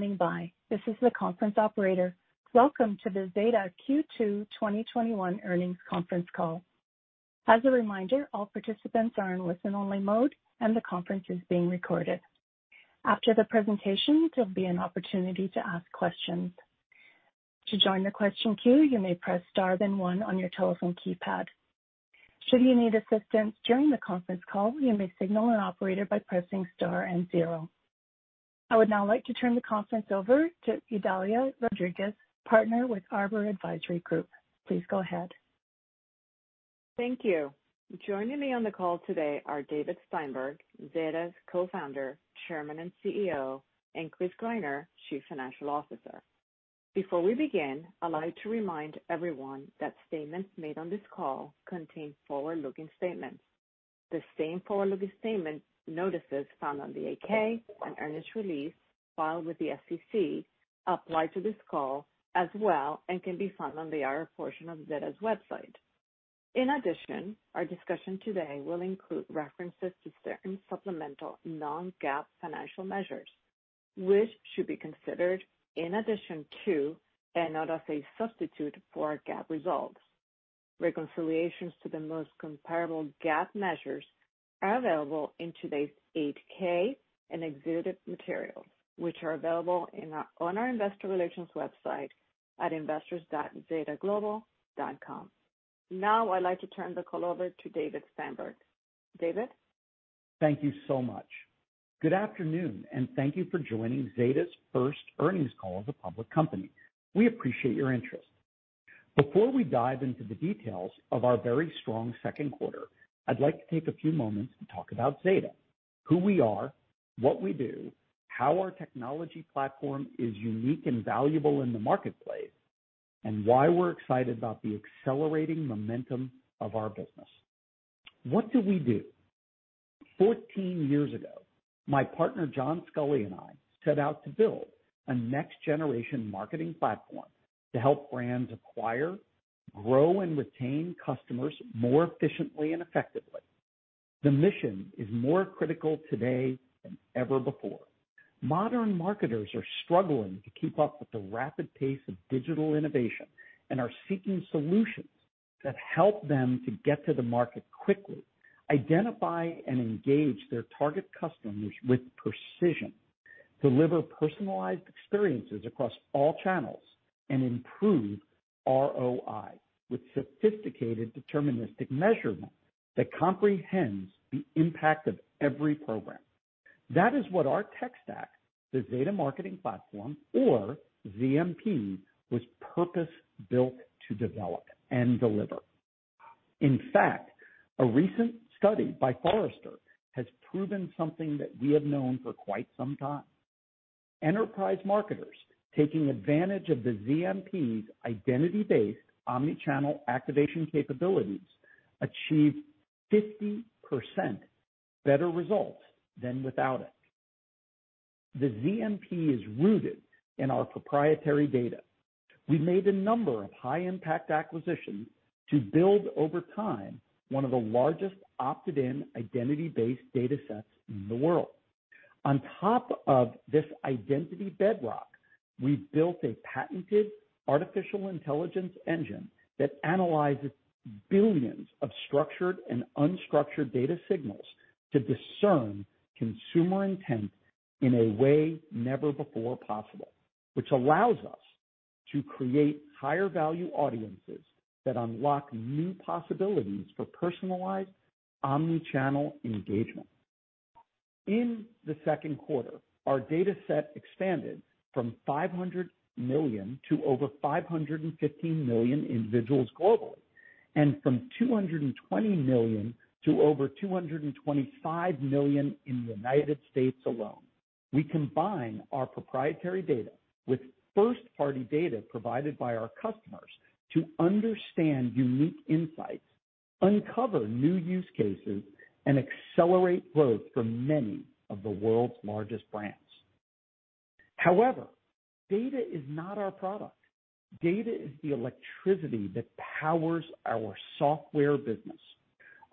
Thank you for standing by. This is the conference operator. Welcome to the Zeta Q2 2021 earnings conference call. As a reminder, all participants are in listen-only mode, and the conference is being recorded. After the presentation, there will be an opportunity to ask questions. To join the question queue, you may press star then one on your telephone keypad. Should you need assistance during the conference call, you may signal an operator by pressing star and zero. I would now like to turn the conference over to Idalia Rodriguez, partner with Arbor Advisory Group. Please go ahead. Thank you. Joining me on the call today are David Steinberg, Zeta's Co-Founder, Chairman, and CEO, and Chris Greiner, Chief Financial Officer. Before we begin, I'd like to remind everyone that statements made on this call contain forward-looking statements. The same forward-looking statement notices found on the 8-K and earnings release filed with the SEC apply to this call as well and can be found on the IR portion of Zeta's website. In addition, our discussion today will include references to certain supplemental non-GAAP financial measures, which should be considered in addition to and not as a substitute for GAAP results. Reconciliations to the most comparable GAAP measures are available in today's 8-K and exhibited materials, which are available on our investor relations website at investors.zetaglobal.com. Now, I'd like to turn the call over to David Steinberg. David. Thank you so much. Good afternoon, and thank you for joining Zeta's first earnings call as a public company. We appreciate your interest. Before we dive into the details of our very strong second quarter, I'd like to take a few moments to talk about Zeta, who we are, what we do, how our technology platform is unique and valuable in the marketplace, and why we're excited about the accelerating momentum of our business. What do we do? Fourteen years ago, my partner John Sculley and I set out to build a next-generation marketing platform to help brands acquire, grow, and retain customers more efficiently and effectively. The mission is more critical today than ever before. Modern marketers are struggling to keep up with the rapid pace of digital innovation and are seeking solutions that help them to get to the market quickly, identify and engage their target customers with precision, deliver personalized experiences across all channels, and improve ROI with sophisticated deterministic measurement that comprehends the impact of every program. That is what our tech stack, the Zeta Marketing Platform or ZMP, was purpose-built to develop and deliver. In fact, a recent study by Forrester has proven something that we have known for quite some time. Enterprise marketers taking advantage of the ZMP's identity-based omnichannel activation capabilities achieve 50% better results than without it. The ZMP is rooted in our proprietary data. We've made a number of high-impact acquisitions to build over time one of the largest opted-in identity-based data sets in the world. On top of this identity bedrock, we've built a patented artificial intelligence engine that analyzes billions of structured and unstructured data signals to discern consumer intent in a way never before possible, which allows us to create higher-value audiences that unlock new possibilities for personalized omnichannel engagement. In the second quarter, our data set expanded from 500 million to over 515 million individuals globally and from 220 million to over 225 million in the United States alone. We combine our proprietary data with first-party data provided by our customers to understand unique insights, uncover new use cases, and accelerate growth for many of the world's largest brands. However, data is not our product. Data is the electricity that powers our software business.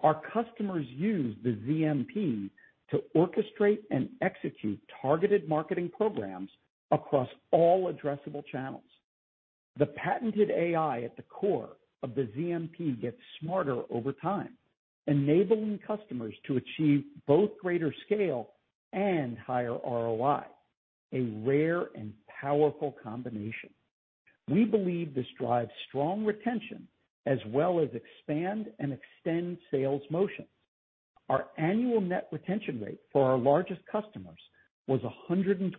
Our customers use the ZMP to orchestrate and execute targeted marketing programs across all addressable channels. The patented AI at the core of the ZMP gets smarter over time, enabling customers to achieve both greater scale and higher ROI, a rare and powerful combination. We believe this drives strong retention as well as expands and extends sales motions. Our annual net retention rate for our largest customers was 122%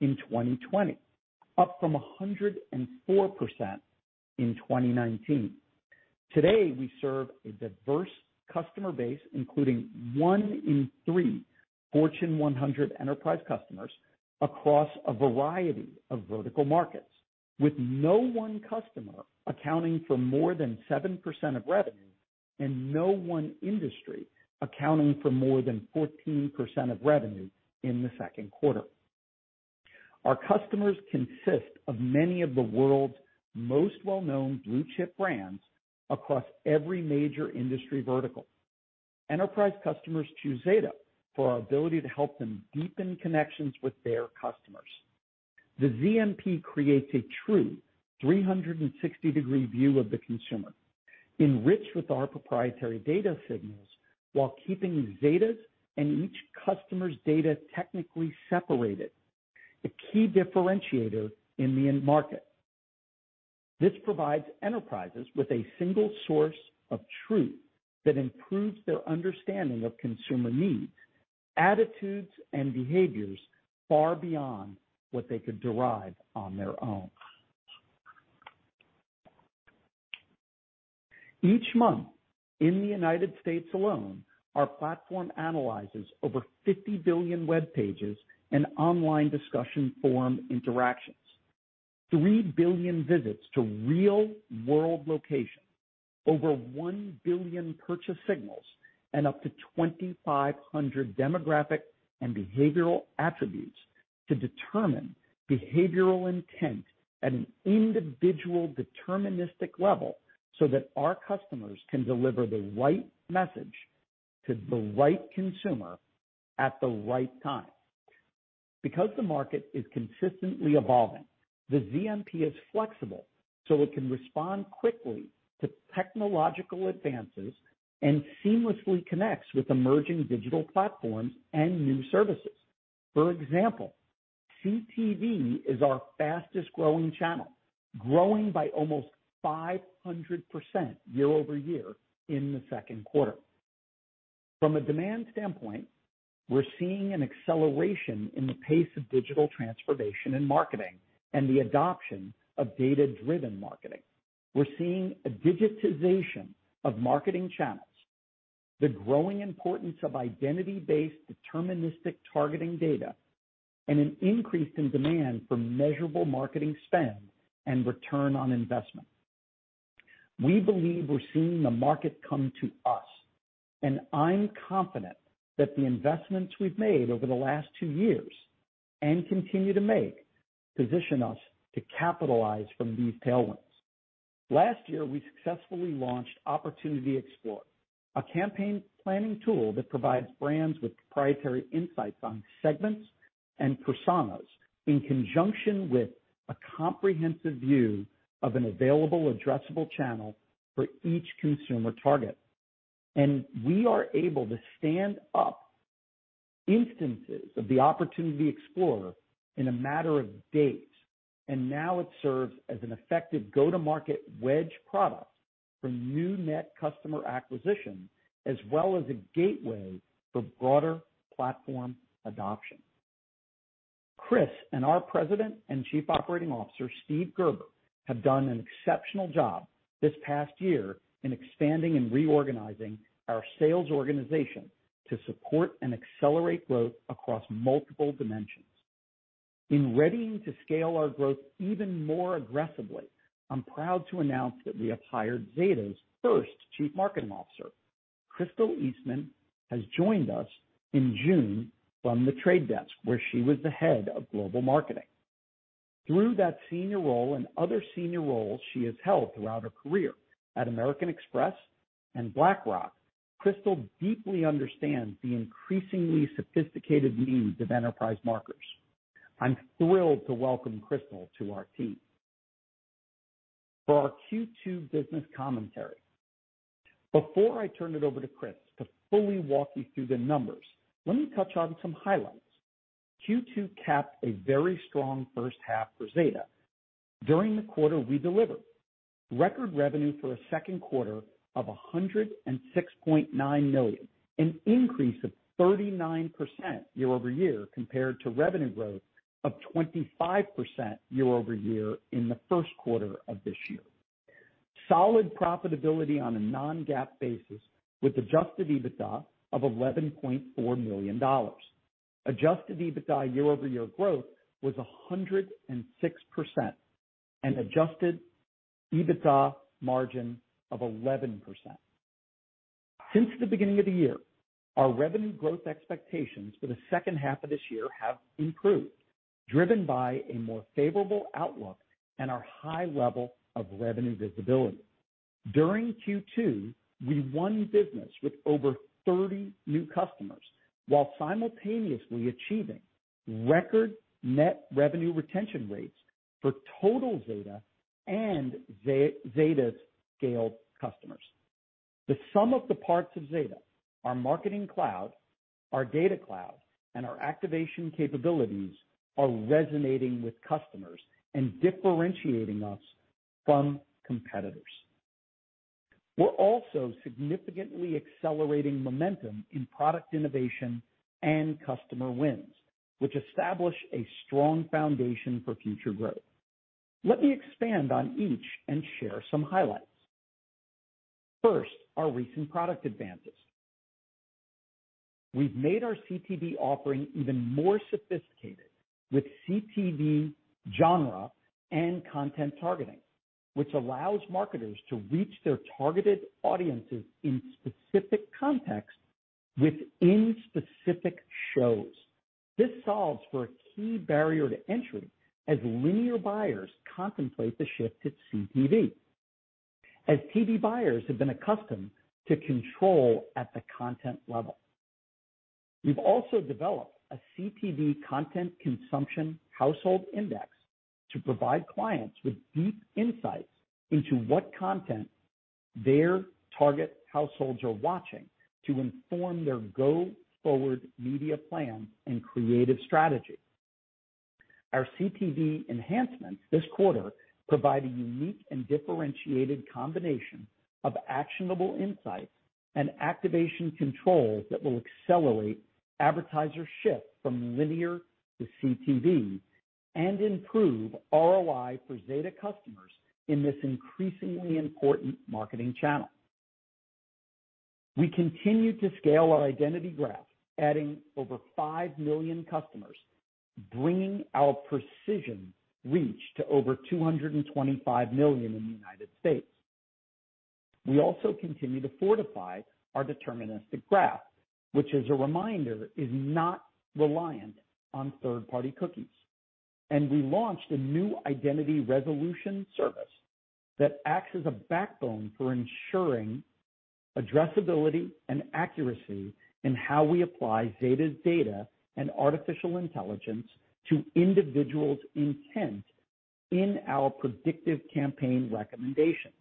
in 2020, up from 104% in 2019. Today, we serve a diverse customer base, including one in three Fortune 100 enterprise customers across a variety of vertical markets, with no one customer accounting for more than 7% of revenue and no one industry accounting for more than 14% of revenue in the second quarter. Our customers consist of many of the world's most well-known blue-chip brands across every major industry vertical. Enterprise customers choose Zeta for our ability to help them deepen connections with their customers. The ZMP creates a true 360-degree view of the consumer, enriched with our proprietary data signals while keeping Zeta's and each customer's data technically separated, a key differentiator in the market. This provides enterprises with a single source of truth that improves their understanding of consumer needs, attitudes, and behaviors far beyond what they could derive on their own. Each month, in the United States alone, our platform analyzes over 50 billion web pages and online discussion forum interactions, 3 billion visits to real-world locations, over 1 billion purchase signals, and up to 2,500 demographic and behavioral attributes to determine behavioral intent at an individual deterministic level so that our customers can deliver the right message to the right consumer at the right time. Because the market is consistently evolving, the ZMP is flexible so it can respond quickly to technological advances and seamlessly connects with emerging digital platforms and new services. For example, CTV is our fastest-growing channel, growing by almost 500% year-over-year in the second quarter. From a demand standpoint, we're seeing an acceleration in the pace of digital transformation in marketing and the adoption of data-driven marketing. We're seeing a digitization of marketing channels, the growing importance of identity-based deterministic targeting data, and an increase in demand for measurable marketing spend and return on investment. We believe we're seeing the market come to us, and I'm confident that the investments we've made over the last two years and continue to make position us to capitalize from these tailwinds. Last year, we successfully launched Opportunity Explorer, a campaign planning tool that provides brands with proprietary insights on segments and personas in conjunction with a comprehensive view of an available addressable channel for each consumer target, and we are able to stand up instances of the Opportunity Explorer in a matter of days, and now it serves as an effective go-to-market wedge product for new net customer acquisition as well as a gateway for broader platform adoption. Chris and our President and Chief Operating Officer, Steve Gerber, have done an exceptional job this past year in expanding and reorganizing our sales organization to support and accelerate growth across multiple dimensions. In readying to scale our growth even more aggressively, I'm proud to announce that we have hired Zeta's first Chief Marketing Officer, Crystal Eastman, who has joined us in June from The Trade Desk, where she was the head of global marketing. Through that senior role and other senior roles she has held throughout her career at American Express and BlackRock, Crystal deeply understands the increasingly sophisticated needs of enterprise marketers. I'm thrilled to welcome Crystal to our team. For our Q2 business commentary, before I turn it over to Chris to fully walk you through the numbers, let me touch on some highlights. Q2 capped a very strong first half for Zeta. During the quarter, we delivered record revenue for a second quarter of $106.9 million, an increase of 39% year-over-year compared to revenue growth of 25% year-over-year in the first quarter of this year. Solid profitability on a non-GAAP basis with adjusted EBITDA of $11.4 million. Adjusted EBITDA year-over-year growth was 106% and adjusted EBITDA margin of 11%. Since the beginning of the year, our revenue growth expectations for the second half of this year have improved, driven by a more favorable outlook and our high level of revenue visibility. During Q2, we won business with over 30 new customers while simultaneously achieving record net revenue retention rates for total Zeta and Zeta's scaled customers. The sum of the parts of Zeta, our marketing cloud, our data cloud, and our activation capabilities are resonating with customers and differentiating us from competitors. We're also significantly accelerating momentum in product innovation and customer wins, which establish a strong foundation for future growth. Let me expand on each and share some highlights. First, our recent product advances. We've made our CTV offering even more sophisticated with CTV, genre and content targeting, which allows marketers to reach their targeted audiences in specific contexts within specific shows. This solves for a key barrier to entry as linear buyers contemplate the shift to CTV, as TV buyers have been accustomed to control at the content level. We've also developed a CTV content consumption household index to provide clients with deep insights into what content their target households are watching to inform their go-forward media plans and creative strategy. Our CTV enhancements this quarter provide a unique and differentiated combination of actionable insights and activation controls that will accelerate advertiser shift from linear to CTV and improve ROI for Zeta customers in this increasingly important marketing channel. We continue to scale our identity graph, adding over five million customers, bringing our precision reach to over 225 million in the United States. We also continue to fortify our deterministic graph, which, as a reminder, is not reliant on third-party cookies. And we launched a new identity resolution service that acts as a backbone for ensuring addressability and accuracy in how we apply Zeta's data and artificial intelligence to individuals' intent in our predictive campaign recommendations.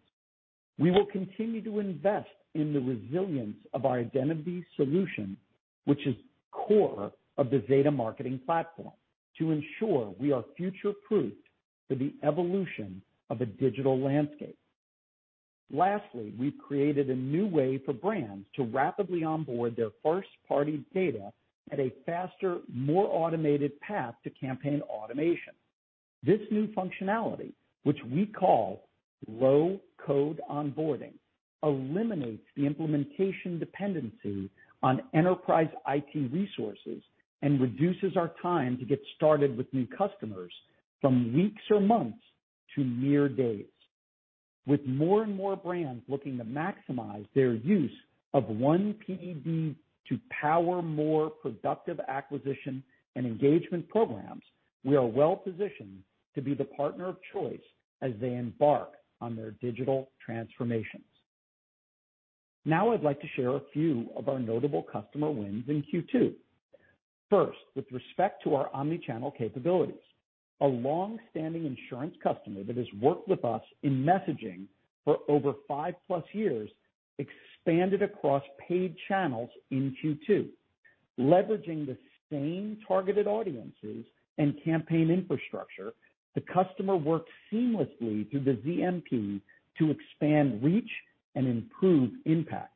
We will continue to invest in the resilience of our identity solution, which is core of the Zeta Marketing Platform, to ensure we are future-proofed for the evolution of a digital landscape. Lastly, we've created a new way for brands to rapidly onboard their first-party data at a faster, more automated path to campaign automation. This new functionality, which we call low-code onboarding, eliminates the implementation dependency on enterprise IT resources and reduces our time to get started with new customers from weeks or months to mere days. With more and more brands looking to maximize their use of one PDD to power more productive acquisition and engagement programs, we are well-positioned to be the partner of choice as they embark on their digital transformations. Now, I'd like to share a few of our notable customer wins in Q2. First, with respect to our omnichannel capabilities, a long-standing insurance customer that has worked with us in messaging for over five-plus years expanded across paid channels in Q2. Leveraging the same targeted audiences and campaign infrastructure, the customer worked seamlessly through the ZMP to expand reach and improve impact.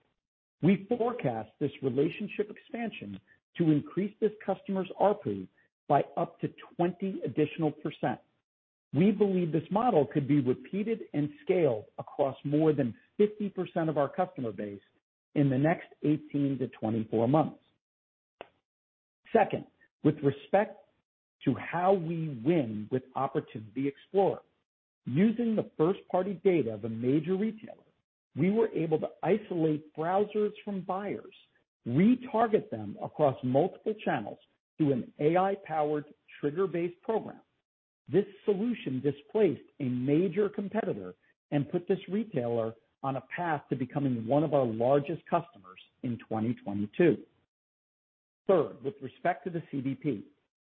We forecast this relationship expansion to increase this customer's RPU by up to 20 additional %. We believe this model could be repeated and scaled across more than 50% of our customer base in the next 18-24 months. Second, with respect to how we win with Opportunity Explorer, using the first-party data of a major retailer, we were able to isolate browsers from buyers, retarget them across multiple channels through an AI-powered trigger-based program. This solution displaced a major competitor and put this retailer on a path to becoming one of our largest customers in 2022. Third, with respect to the CDP,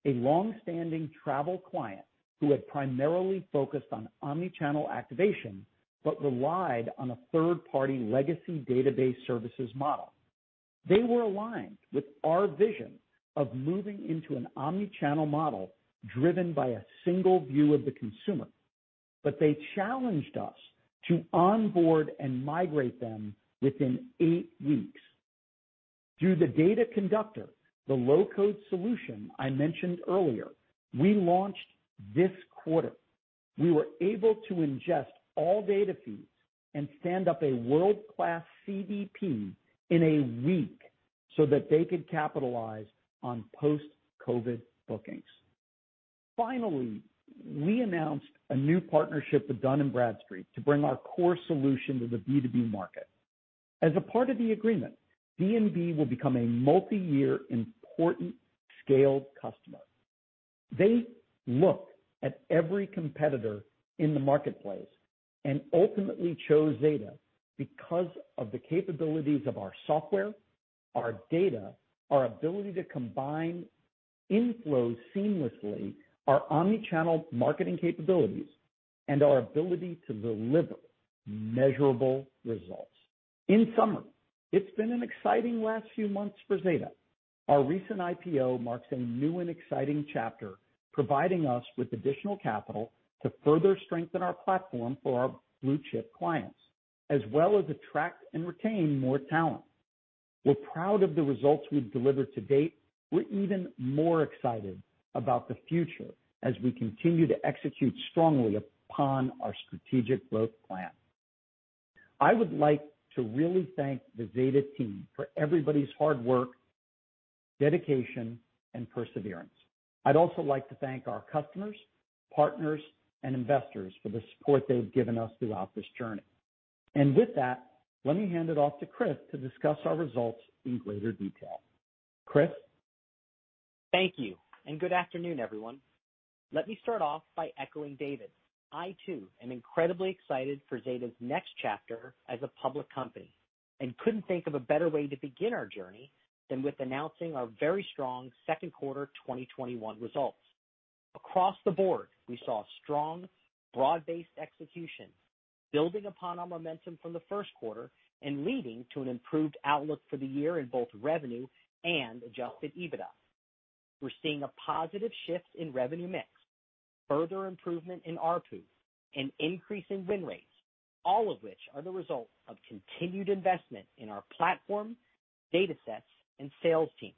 a long-standing travel client who had primarily focused on omnichannel activation but relied on a third-party legacy database services model. They were aligned with our vision of moving into an omnichannel model driven by a single view of the consumer, but they challenged us to onboard and migrate them within eight weeks. Through the Data Conductor, the low-code solution I mentioned earlier, we launched this quarter. We were able to ingest all data feeds and stand up a world-class CDP in a week so that they could capitalize on post-COVID bookings. Finally, we announced a new partnership with Dun & Bradstreet to bring our core solution to the B2B market. As a part of the agreement, D&B will become a multi-year important scaled customer. They look at every competitor in the marketplace and ultimately chose Zeta because of the capabilities of our software, our data, our ability to combine inflows seamlessly, our omnichannel marketing capabilities, and our ability to deliver measurable results. In summary, it's been an exciting last few months for Zeta. Our recent IPO marks a new and exciting chapter, providing us with additional capital to further strengthen our platform for our blue-chip clients, as well as attract and retain more talent. We're proud of the results we've delivered to date. We're even more excited about the future as we continue to execute strongly upon our strategic growth plan. I would like to really thank the Zeta team for everybody's hard work, dedication, and perseverance. I'd also like to thank our customers, partners, and investors for the support they've given us throughout this journey. And with that, let me hand it off to Chris to discuss our results in greater detail. Chris? Thank you. And good afternoon, everyone. Let me start off by echoing David. I, too, am incredibly excited for Zeta's next chapter as a public company and couldn't think of a better way to begin our journey than with announcing our very strong second quarter 2021 results. Across the board, we saw strong, broad-based execution, building upon our momentum from the first quarter, and leading to an improved outlook for the year in both revenue and adjusted EBITDA. We're seeing a positive shift in revenue mix, further improvement in RPU, and increasing win rates, all of which are the result of continued investment in our platform, data sets, and sales team.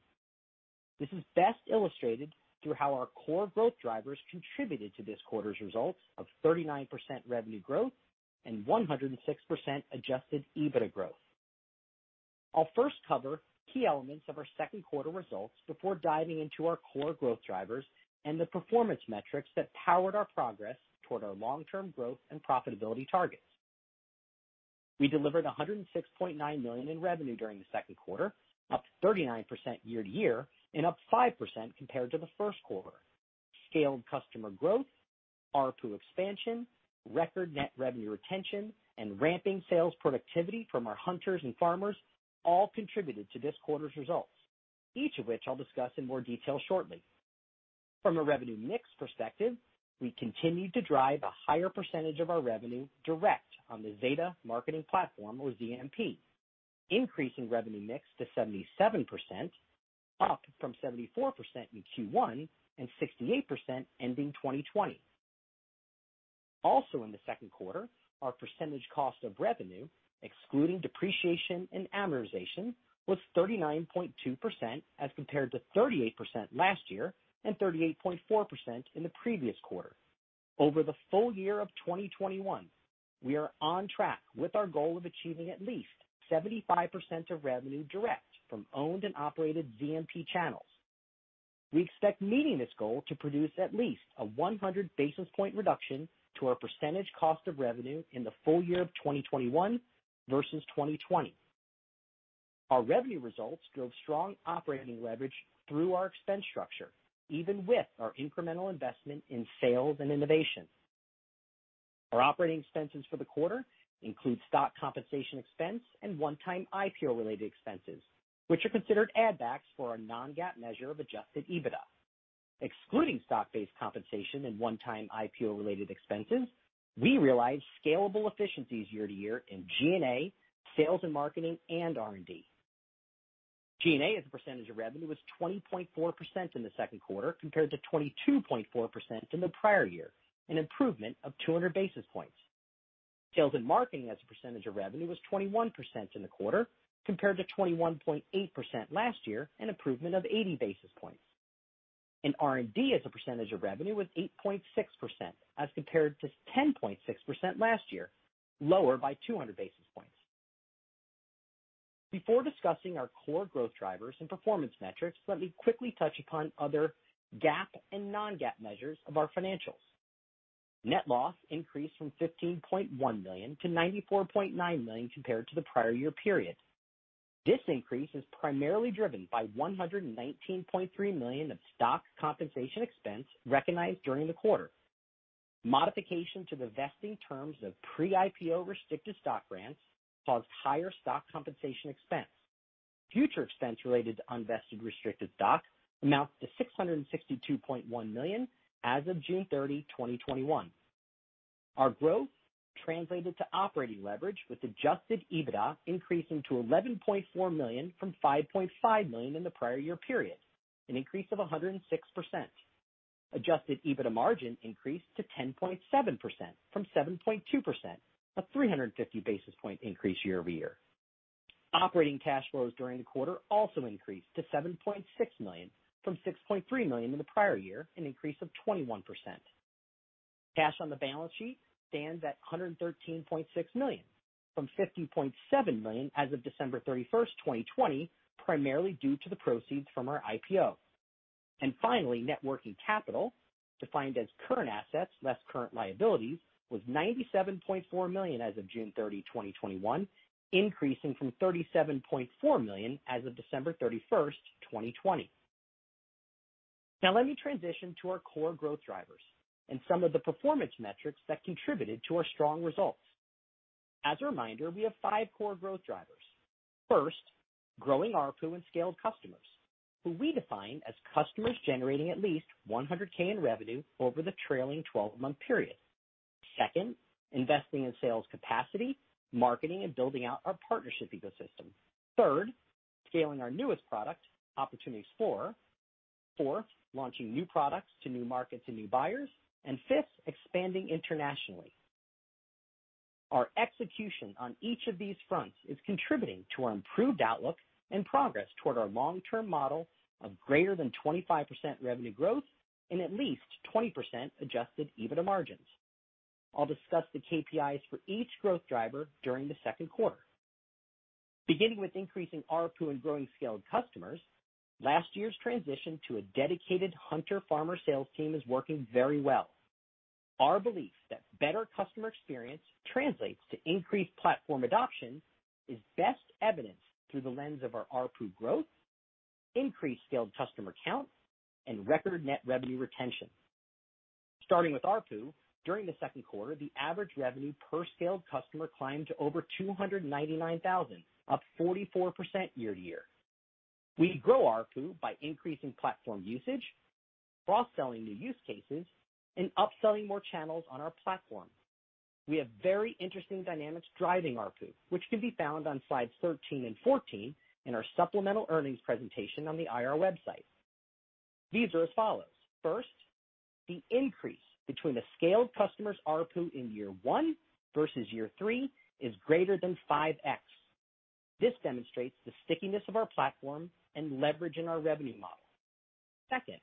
This is best illustrated through how our core growth drivers contributed to this quarter's results of 39% revenue growth and 106% adjusted EBITDA growth. I'll first cover key elements of our second quarter results before diving into our core growth drivers and the performance metrics that powered our progress toward our long-term growth and profitability targets. We delivered $106.9 million in revenue during the second quarter, up 39% year-to-year, and up 5% compared to the first quarter. Scaled customer growth, RPU expansion, record net revenue retention, and ramping sales productivity from our hunters and farmers all contributed to this quarter's results, each of which I'll discuss in more detail shortly. From a revenue mix perspective, we continued to drive a higher percentage of our revenue direct on the Zeta Marketing Platform, or ZMP, increasing revenue mix to 77%, up from 74% in Q1 and 68% ending 2020. Also, in the second quarter, our percentage cost of revenue, excluding depreciation and amortization, was 39.2% as compared to 38% last year and 38.4% in the previous quarter. Over the full year of 2021, we are on track with our goal of achieving at least 75% of revenue direct from owned and operated ZMP channels. We expect meeting this goal to produce at least a 100 basis point reduction to our percentage cost of revenue in the full year of 2021 versus 2020. Our revenue results drove strong operating leverage through our expense structure, even with our incremental investment in sales and innovation. Our operating expenses for the quarter include stock compensation expense and one-time IPO-related expenses, which are considered add-backs for our non-GAAP measure of adjusted EBITDA. Excluding stock-based compensation and one-time IPO-related expenses, we realized scalable efficiencies year-to-year in G&A, sales and marketing, and R&D. G&A as a percentage of revenue was 20.4% in the second quarter compared to 22.4% in the prior year, an improvement of 200 basis points. Sales and marketing as a percentage of revenue was 21% in the quarter compared to 21.8% last year, an improvement of 80 basis points, and R&D as a percentage of revenue was 8.6% as compared to 10.6% last year, lower by 200 basis points. Before discussing our core growth drivers and performance metrics, let me quickly touch upon other GAAP and non-GAAP measures of our financials. Net loss increased from $15.1 million to $94.9 million compared to the prior year period. This increase is primarily driven by $119.3 million of stock compensation expense recognized during the quarter. Modification to the vesting terms of pre-IPO restricted stock grants caused higher stock compensation expense. Future expense related to unvested restricted stock amounts to $662.1 million as of June 30, 2021. Our growth translated to operating leverage, with adjusted EBITDA increasing to $11.4 million from $5.5 million in the prior year period, an increase of 106%. Adjusted EBITDA margin increased to 10.7% from 7.2%, a 350 basis point increase year-over-year. Operating cash flows during the quarter also increased to $7.6 million from $6.3 million in the prior year, an increase of 21%. Cash on the balance sheet stands at $113.6 million from $50.7 million as of December 31, 2020, primarily due to the proceeds from our IPO. Finally, net working capital, defined as current assets less current liabilities, was $97.4 million as of June 30, 2021, increasing from $37.4 million as of December 31, 2020. Now, let me transition to our core growth drivers and some of the performance metrics that contributed to our strong results. As a reminder, we have five core growth drivers. First, growing RPU and scaled customers, who we define as customers generating at least 100K in revenue over the trailing 12-month period. Second, investing in sales capacity, marketing, and building out our partnership ecosystem. Third, scaling our newest product, Opportunity Explorer. Fourth, launching new products to new markets and new buyers. And fifth, expanding internationally. Our execution on each of these fronts is contributing to our improved outlook and progress toward our long-term model of greater than 25% revenue growth and at least 20% adjusted EBITDA margins. I'll discuss the KPIs for each growth driver during the second quarter. Beginning with increasing RPU and growing scaled customers, last year's transition to a dedicated hunter-farmer sales team is working very well. Our belief that better customer experience translates to increased platform adoption is best evidenced through the lens of our RPU growth, increased scaled customer count, and record net revenue retention. Starting with RPU, during the second quarter, the average revenue per scaled customer climbed to over $299,000, up 44% year-to-year. We grow RPU by increasing platform usage, cross-selling new use cases, and upselling more channels on our platform. We have very interesting dynamics driving RPU, which can be found on slides 13 and 14 in our supplemental earnings presentation on the IR website. These are as follows. First, the increase between the scaled customer's RPU in year one versus year three is greater than 5X. This demonstrates the stickiness of our platform and leverage in our revenue model. Second,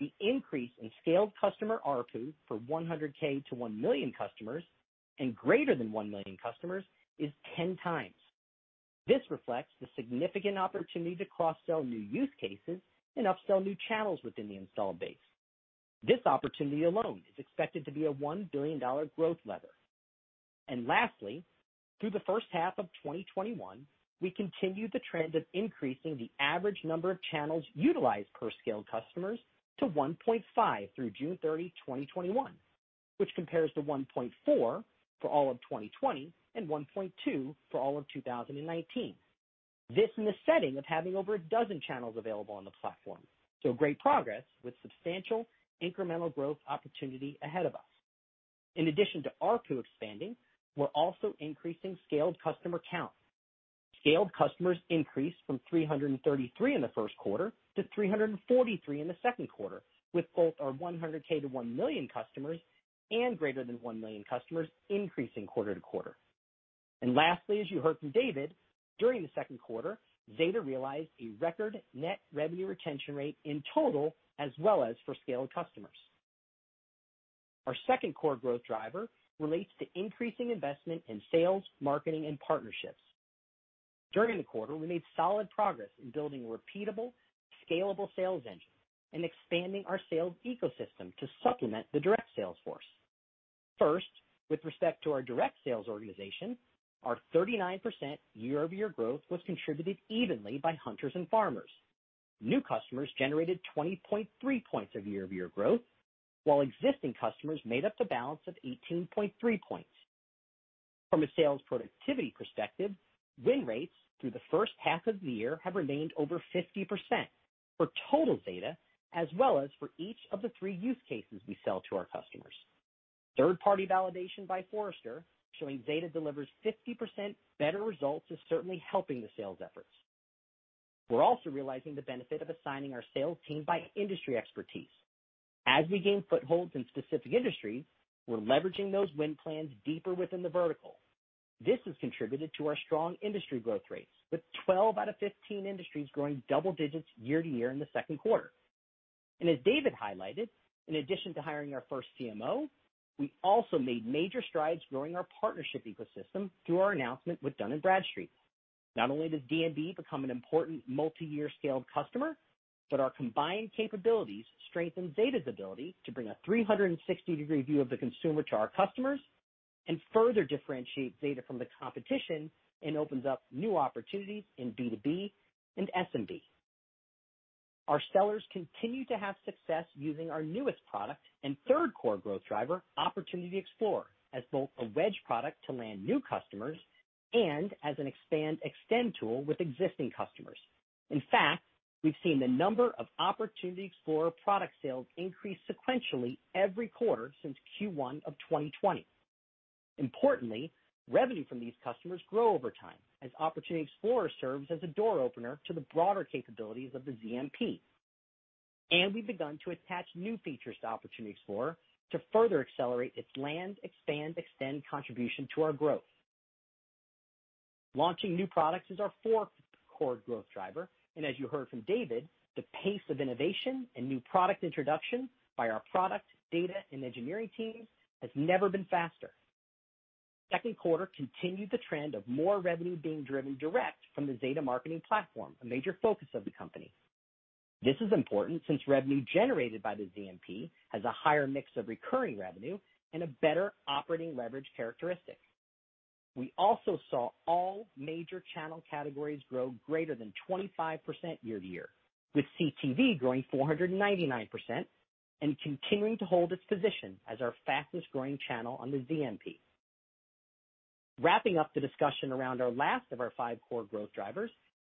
the increase in scaled customer RPU for 100K to 1 million customers and greater than 1 million customers is 10 times. This reflects the significant opportunity to cross-sell new use cases and upsell new channels within the installed base. This opportunity alone is expected to be a $1 billion growth lever. And lastly, through the first half of 2021, we continued the trend of increasing the average number of channels utilized per scaled customers to 1.5 through June 30, 2021, which compares to 1.4 for all of 2020 and 1.2 for all of 2019. This in the setting of having over a dozen channels available on the platform. So great progress with substantial incremental growth opportunity ahead of us. In addition to RPU expanding, we're also increasing scaled customer count. Scaled customers increased from 333 in the first quarter to 343 in the second quarter, with both our 100K to 1 million customers and greater than 1 million customers increasing quarter to quarter, and lastly, as you heard from David, during the second quarter, Zeta realized a record net revenue retention rate in total, as well as for scaled customers. Our second core growth driver relates to increasing investment in sales, marketing, and partnerships. During the quarter, we made solid progress in building a repeatable, scalable sales engine and expanding our sales ecosystem to supplement the direct sales force. First, with respect to our direct sales organization, our 39% year-over-year growth was contributed evenly by hunters and farmers. New customers generated 20.3 points of year-over-year growth, while existing customers made up the balance of 18.3 points. From a sales productivity perspective, win rates through the first half of the year have remained over 50% for total Zeta, as well as for each of the three use cases we sell to our customers. Third-party validation by Forrester showing Zeta delivers 50% better results is certainly helping the sales efforts. We're also realizing the benefit of assigning our sales team by industry expertise. As we gain footholds in specific industries, we're leveraging those win plans deeper within the vertical. This has contributed to our strong industry growth rates, with 12 out of 15 industries growing double digits year-to-year in the second quarter, and as David highlighted, in addition to hiring our first CMO, we also made major strides growing our partnership ecosystem through our announcement with Dun & Bradstreet. Not only does D&B become an important multi-year scaled customer, but our combined capabilities strengthen Zeta's ability to bring a 360-degree view of the consumer to our customers and further differentiate Zeta from the competition and opens up new opportunities in B2B and SMB. Our sellers continue to have success using our newest product and third core growth driver, Opportunity Explorer, as both a wedge product to land new customers and as an expand-extend tool with existing customers. In fact, we've seen the number of Opportunity Explorer product sales increase sequentially every quarter since Q1 of 2020. Importantly, revenue from these customers grows over time as Opportunity Explorer serves as a door opener to the broader capabilities of the ZMP, and we've begun to attach new features to Opportunity Explorer to further accelerate its land-extend-extend contribution to our growth. Launching new products is our fourth core growth driver. As you heard from David, the pace of innovation and new product introduction by our product, data, and engineering teams has never been faster. Second quarter continued the trend of more revenue being driven direct from the Zeta Marketing Platform, a major focus of the company. This is important since revenue generated by the ZMP has a higher mix of recurring revenue and a better operating leverage characteristic. We also saw all major channel categories grow greater than 25% year-to-year, with CTV growing 499% and continuing to hold its position as our fastest-growing channel on the ZMP. Wrapping up the discussion around our last of our five core growth drivers,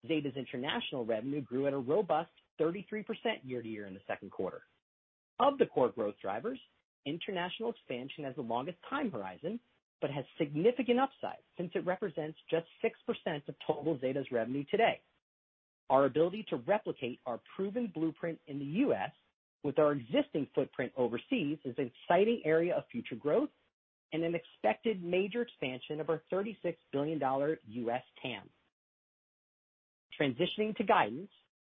Zeta's international revenue grew at a robust 33% year-to-year in the second quarter. Of the core growth drivers, international expansion has the longest time horizon but has significant upside since it represents just 6% of total Zeta's revenue today. Our ability to replicate our proven blueprint in the U.S. with our existing footprint overseas is an exciting area of future growth and an expected major expansion of our $36 billion U.S. TAM. Transitioning to guidance,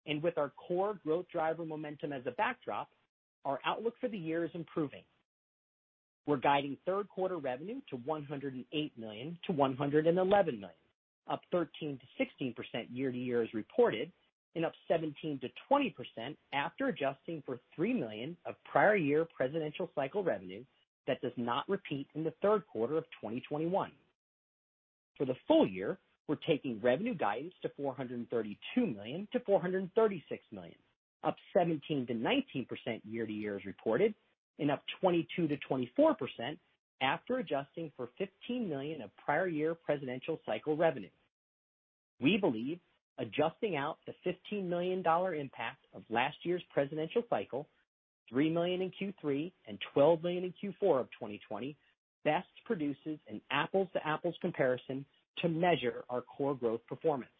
and with our core growth driver momentum as a backdrop, our outlook for the year is improving. We're guiding third-quarter revenue to $108-111 million, up 13%-16% year-to-year as reported, and up 17%-20% after adjusting for $3 million of prior year presidential cycle revenue that does not repeat in the third quarter of 2021. For the full year, we're taking revenue guidance to $432 million-$436 million, up 17%-19% year-to-year as reported, and up 22%-24% after adjusting for $15 million of prior year presidential cycle revenue. We believe adjusting out the $15 million impact of last year's presidential cycle, $3 million in Q3 and $12 million in Q4 of 2020, best produces an apples-to-apples comparison to measure our core growth performance.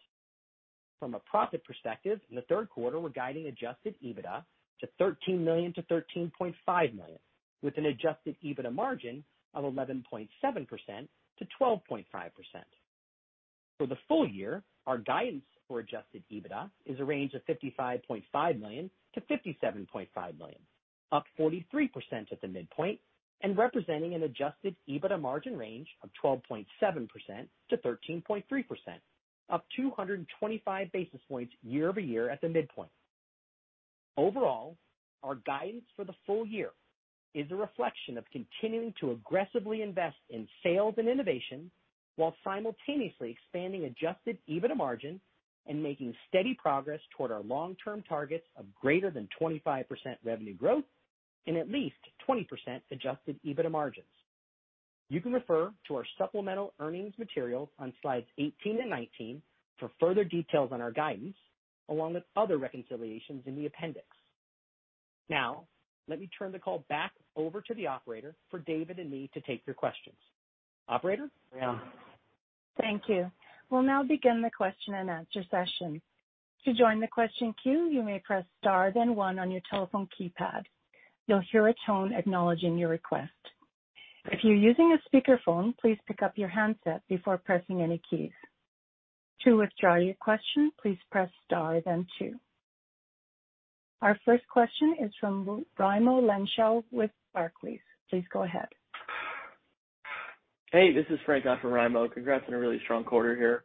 From a profit perspective, in the third quarter, we're guiding adjusted EBITDA to $13 million-$13.5 million, with an adjusted EBITDA margin of 11.7%-12.5%. For the full year, our guidance for adjusted EBITDA is a range of $55.5 million-$57.5 million, up 43% at the midpoint, and representing an adjusted EBITDA margin range of 12.7%-13.3%, up 225 basis points year-over-year at the midpoint. Overall, our guidance for the full year is a reflection of continuing to aggressively invest in sales and innovation while simultaneously expanding adjusted EBITDA margin and making steady progress toward our long-term targets of greater than 25% revenue growth and at least 20% adjusted EBITDA margins. You can refer to our supplemental earnings material on slides 18 and 19 for further details on our guidance, along with other reconciliations in the appendix. Now, let me turn the call back over to the operator for David and me to take your questions. Operator? Yeah. Thank you. We'll now begin the question and answer session. To join the question queue, you may press star, then one on your telephone keypad. You'll hear a tone acknowledging your request. If you're using a speakerphone, please pick up your handset before pressing any keys. To withdraw your question, please press star, then two. Our first question is from Raimo Lenschow with Barclays. Please go ahead. Hey, this is Frank on from Raimo. Congrats on a really strong quarter here.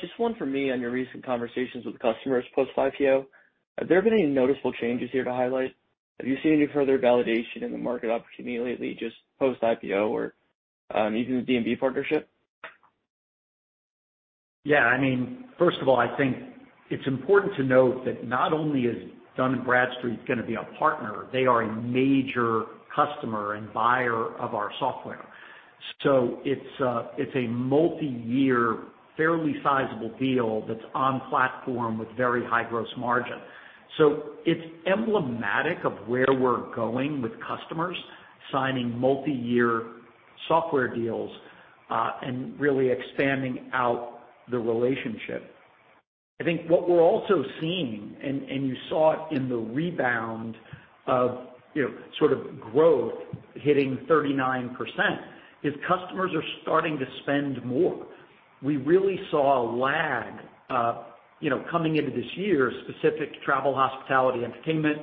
Just one for me on your recent conversations with customers post-IPO. Have there been any noticeable changes here to highlight? Have you seen any further validation in the market opportunity lately, just post-IPO or even the D&B partnership? Yeah. I mean, first of all, I think it's important to note that not only is Dun & Bradstreet going to be a partner, they are a major customer and buyer of our software. So it's a multi-year, fairly sizable deal that's on platform with very high gross margin. So it's emblematic of where we're going with customers signing multi-year software deals and really expanding out the relationship. I think what we're also seeing, and you saw it in the rebound of sort of growth hitting 39%, is customers are starting to spend more. We really saw a lag coming into this year, specific to travel, hospitality, entertainment,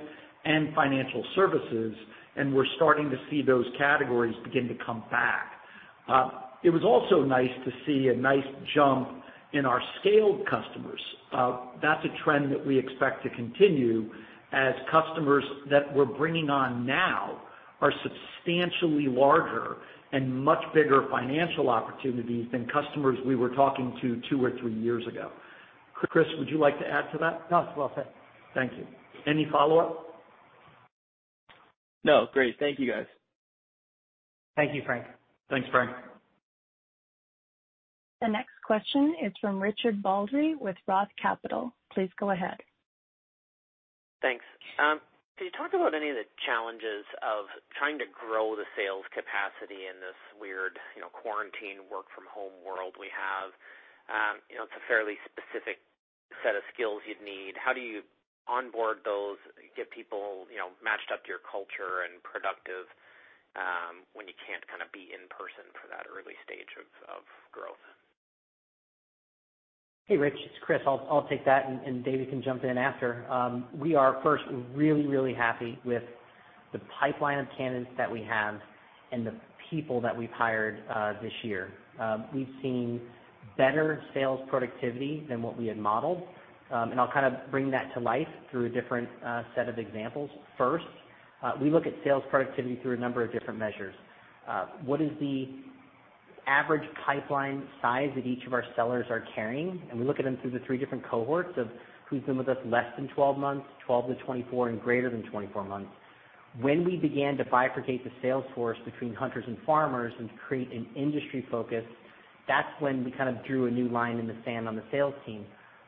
and financial services, and we're starting to see those categories begin to come back. It was also nice to see a nice jump in our scaled customers. That's a trend that we expect to continue as customers that we're bringing on now are substantially larger and much bigger financial opportunities than customers we were talking to two or three years ago. Chris, would you like to add to that? No, that's all I'll say. Thank you. Any follow-up? No. Great. Thank you, guys. Thank you, Frank. Thanks, Frank. The next question is from Richard Baldry with Roth Capital. Please go ahead. Thanks. Could you talk about any of the challenges of trying to grow the sales capacity in this weird quarantine work-from-home world we have? It's a fairly specific set of skills you'd need. How do you onboard those, get people matched up to your culture and productive when you can't kind of be in person for that early stage of growth? Hey, Rich. It's Chris. I'll take that, and David can jump in after. We are first really really happy with the pipeline of candidates that we have and the people that we've hired this year. We've seen better sales productivity than what we had modeled. And I'll kind of bring that to life through a different set of examples. First, we look at sales productivity through a number of different measures. What is the average pipeline size that each of our sellers are carrying? And we look at them through the three different cohorts of who's been with us less than 12 months, 12-24, and greater than 24 months. When we began to bifurcate the sales force between hunters and farmers and create an industry focus, that's when we kind of drew a new line in the sand on the sales team.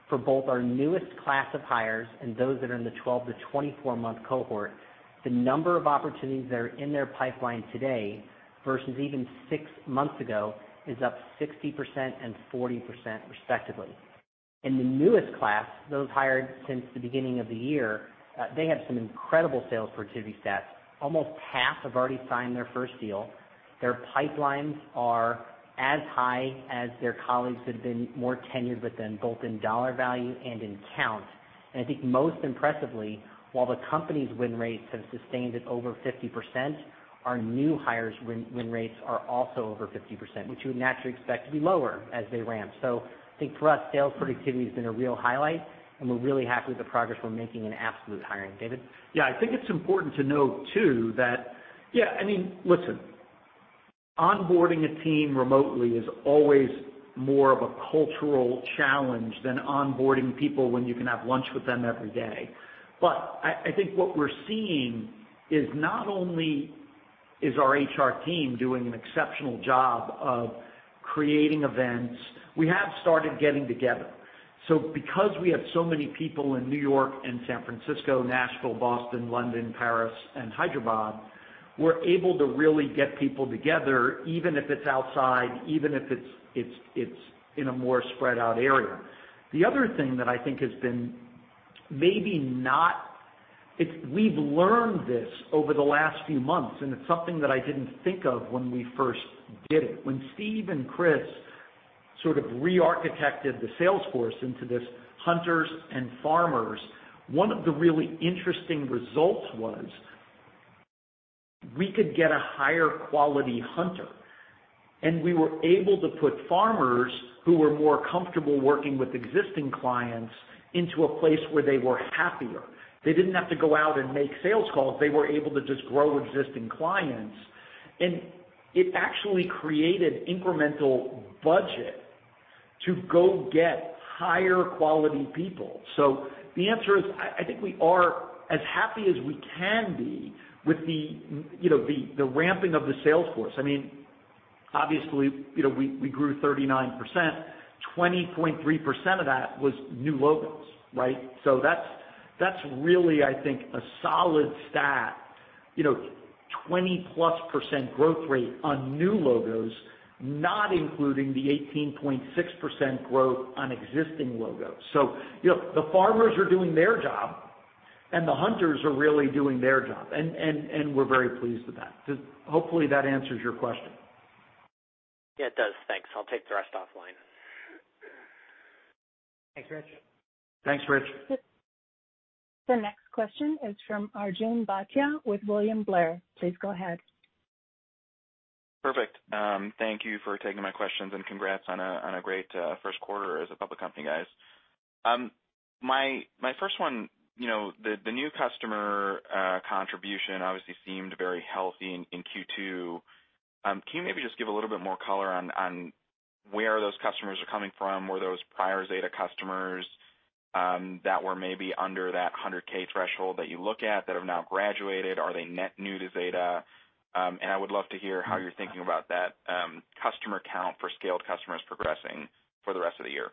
For both our newest class of hires and those that are in the 12-24-month cohort, the number of opportunities that are in their pipeline today versus even six months ago is up 60% and 40%, respectively. In the newest class, those hired since the beginning of the year, they have some incredible sales productivity stats. Almost half have already signed their first deal. Their pipelines are as high as their colleagues that have been more tenured with them, both in dollar value and in count. And I think most impressively, while the company's win rates have sustained at over 50%, our new hires' win rates are also over 50%, which you would naturally expect to be lower as they ramp. So I think for us, sales productivity has been a real highlight, and we're really happy with the progress we're making in absolute hiring. David? Yeah. I think it's important to note, too, that, yeah, I mean, listen, onboarding a team remotely is always more of a cultural challenge than onboarding people when you can have lunch with them every day. But I think what we're seeing is not only is our HR team doing an exceptional job of creating events, we have started getting together. So because we have so many people in New York and San Francisco, Nashville, Boston, London, Paris, and Hyderabad, we're able to really get people together, even if it's outside, even if it's in a more spread-out area. The other thing that I think has been maybe not, we've learned this over the last few months, and it's something that I didn't think of when we first did it. When Steve and Chris sort of re-architected the sales force into this hunters and farmers, one of the really interesting results was we could get a higher-quality hunter. We were able to put farmers who were more comfortable working with existing clients into a place where they were happier. They didn't have to go out and make sales calls. They were able to just grow existing clients. It actually created incremental budget to go get higher-quality people. The answer is I think we are as happy as we can be with the ramping of the sales force. I mean, obviously, we grew 39%. 20.3% of that was new logos, right? That's really, I think, a solid stat, 20-plus% growth rate on new logos, not including the 18.6% growth on existing logos. So the farmers are doing their job, and the hunters are really doing their job. And we're very pleased with that. Hopefully, that answers your question. Yeah, it does. Thanks. I'll take the rest offline. Thanks, Rich. Thanks, Rich. The next question is from Arjun Bhatia with William Blair. Please go ahead. Perfect. Thank you for taking my questions and congrats on a great first quarter as a public company, guys. My first one, the new customer contribution obviously seemed very healthy in Q2. Can you maybe just give a little bit more color on where those customers are coming from, where those prior Zeta customers that were maybe under that 100K threshold that you look at that have now graduated? Are they net new to Zeta? And I would love to hear how you're thinking about that customer count for scaled customers progressing for the rest of the year?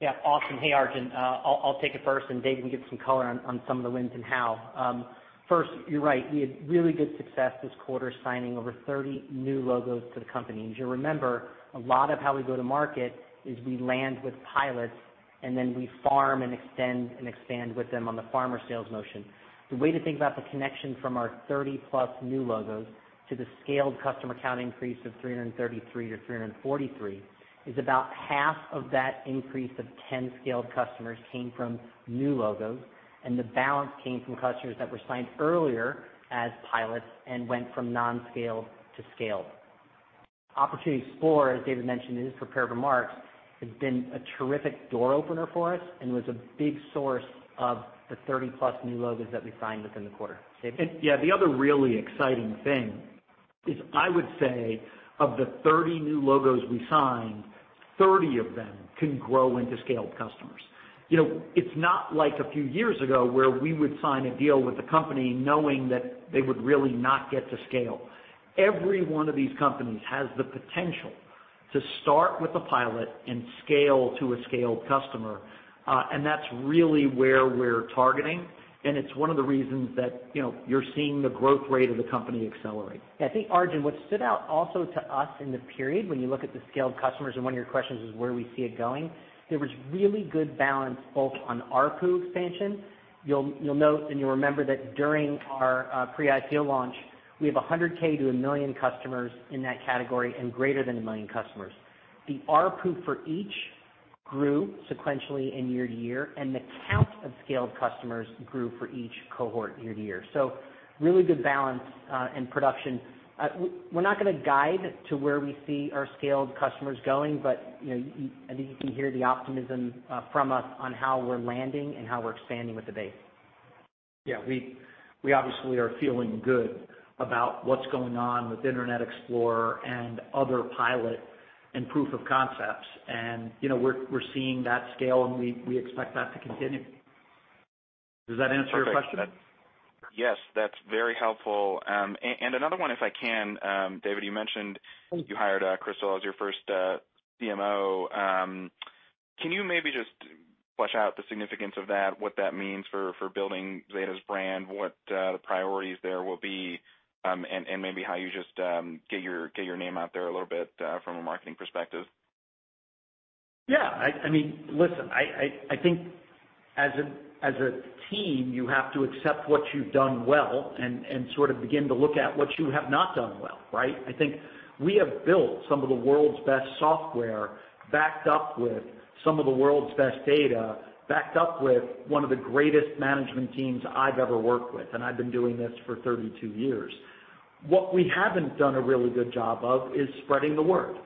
Yeah. Awesome. Hey, Arjun. I'll take it first, and David can give some color on some of the wins and how. First, you're right. We had really good success this quarter signing over 30 new logos to the company. And you'll remember a lot of how we go to market is we land with pilots, and then we farm and extend and expand with them on the farmer sales motion. The way to think about the connection from our 30-plus new logos to the scaled customer count increase of 333-343 is about half of that increase of 10 scaled customers came from new logos, and the balance came from customers that were signed earlier as pilots and went from non-scaled to scaled. Opportunity Explorer, as David mentioned, in his prepared remarks. It's been a terrific door opener for us and was a big source of the 30-plus new logos that we signed within the quarter. David? Yeah. The other really exciting thing is I would say of the 30 new logos we signed, 30 of them can grow into scaled customers. It's not like a few years ago where we would sign a deal with the company knowing that they would really not get to scale. Every one of these companies has the potential to start with a pilot and scale to a scaled customer. And that's really where we're targeting. And it's one of the reasons that you're seeing the growth rate of the company accelerate. Yeah. I think, Arjun, what stood out also to us in the period, when you look at the scaled customers and one of your questions is where we see it going, there was really good balance both on our pool expansion. You'll note and you'll remember that during our pre-IPO launch, we have 100K to a million customers in that category and greater than a million customers. The RPU pool for each grew sequentially and year-to-year, and the count of scaled customers grew for each cohort year-to-year. So really good balance and production. We're not going to guide to where we see our scaled customers going, but I think you can hear the optimism from us on how we're landing and how we're expanding with the base. Yeah. We obviously are feeling good about what's going on with Internet Explorer and other pilot and proof of concepts. And we're seeing that scale, and we expect that to continue. Does that answer your question? Yes. That's very helpful. And another one, if I can, David, you mentioned you hired Crystal as your first CMO. Can you maybe just flesh out the significance of that, what that means for building Zeta's brand, what the priorities there will be, and maybe how you just get your name out there a little bit from a marketing perspective? Yeah. I mean, listen, I think as a team, you have to accept what you've done well and sort of begin to look at what you have not done well, right? I think we have built some of the world's best software backed up with some of the world's best data, backed up with one of the greatest management teams I've ever worked with, and I've been doing this for 32 years. What we haven't done a really good job of is spreading the word.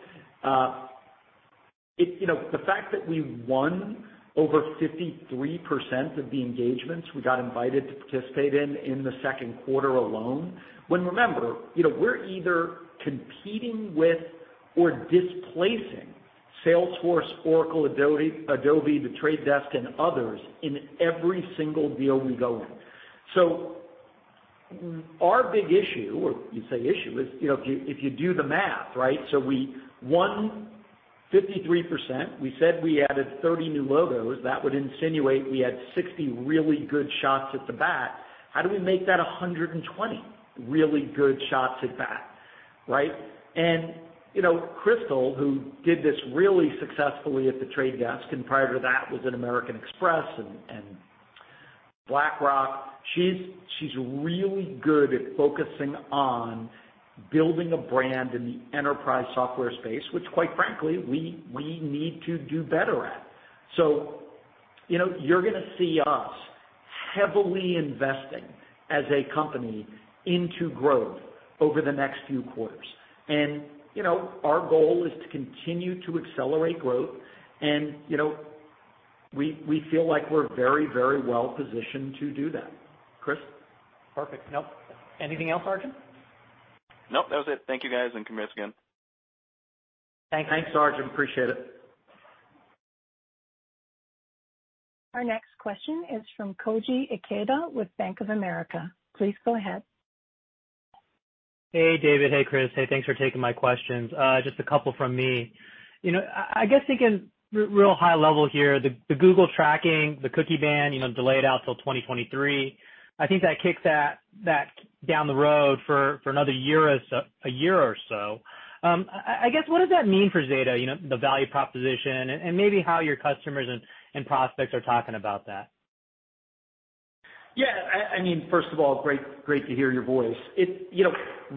The fact that we won over 53% of the engagements we got invited to participate in in the second quarter alone, when remember, we're either competing with or displacing Salesforce, Oracle, Adobe, The Trade Desk, and others in every single deal we go in. So our big issue, or you say issue, is if you do the math, right? So we won 53%. We said we added 30 new logos. That would insinuate we had 60 really good shots at bat. How do we make that 120 really good shots at bat, right? And Crystal, who did this really successfully at The Trade Desk and prior to that was at American Express and BlackRock, she's really good at focusing on building a brand in the enterprise software space, which, quite frankly, we need to do better at. So you're going to see us heavily investing as a company into growth over the next few quarters. And our goal is to continue to accelerate growth, and we feel like we're very, very well positioned to do that. Chris? Perfect. Nope. Anything else, Arjun? Nope. That was it. Thank you, guys, and congrats again. Thanks. Thanks, Arjun. Appreciate it. Our next question is from Koji Ikeda with Bank of America. Please go ahead. Hey, David. Hey, Chris. Hey, thanks for taking my questions. Just a couple from me. I guess, thinking real high level here, the Google tracking, the cookie ban delayed out till 2023. I think that kicks that down the road for another year or so. I guess, what does that mean for Zeta, the value proposition, and maybe how your customers and prospects are talking about that? Yeah. I mean, first of all, great to hear your voice.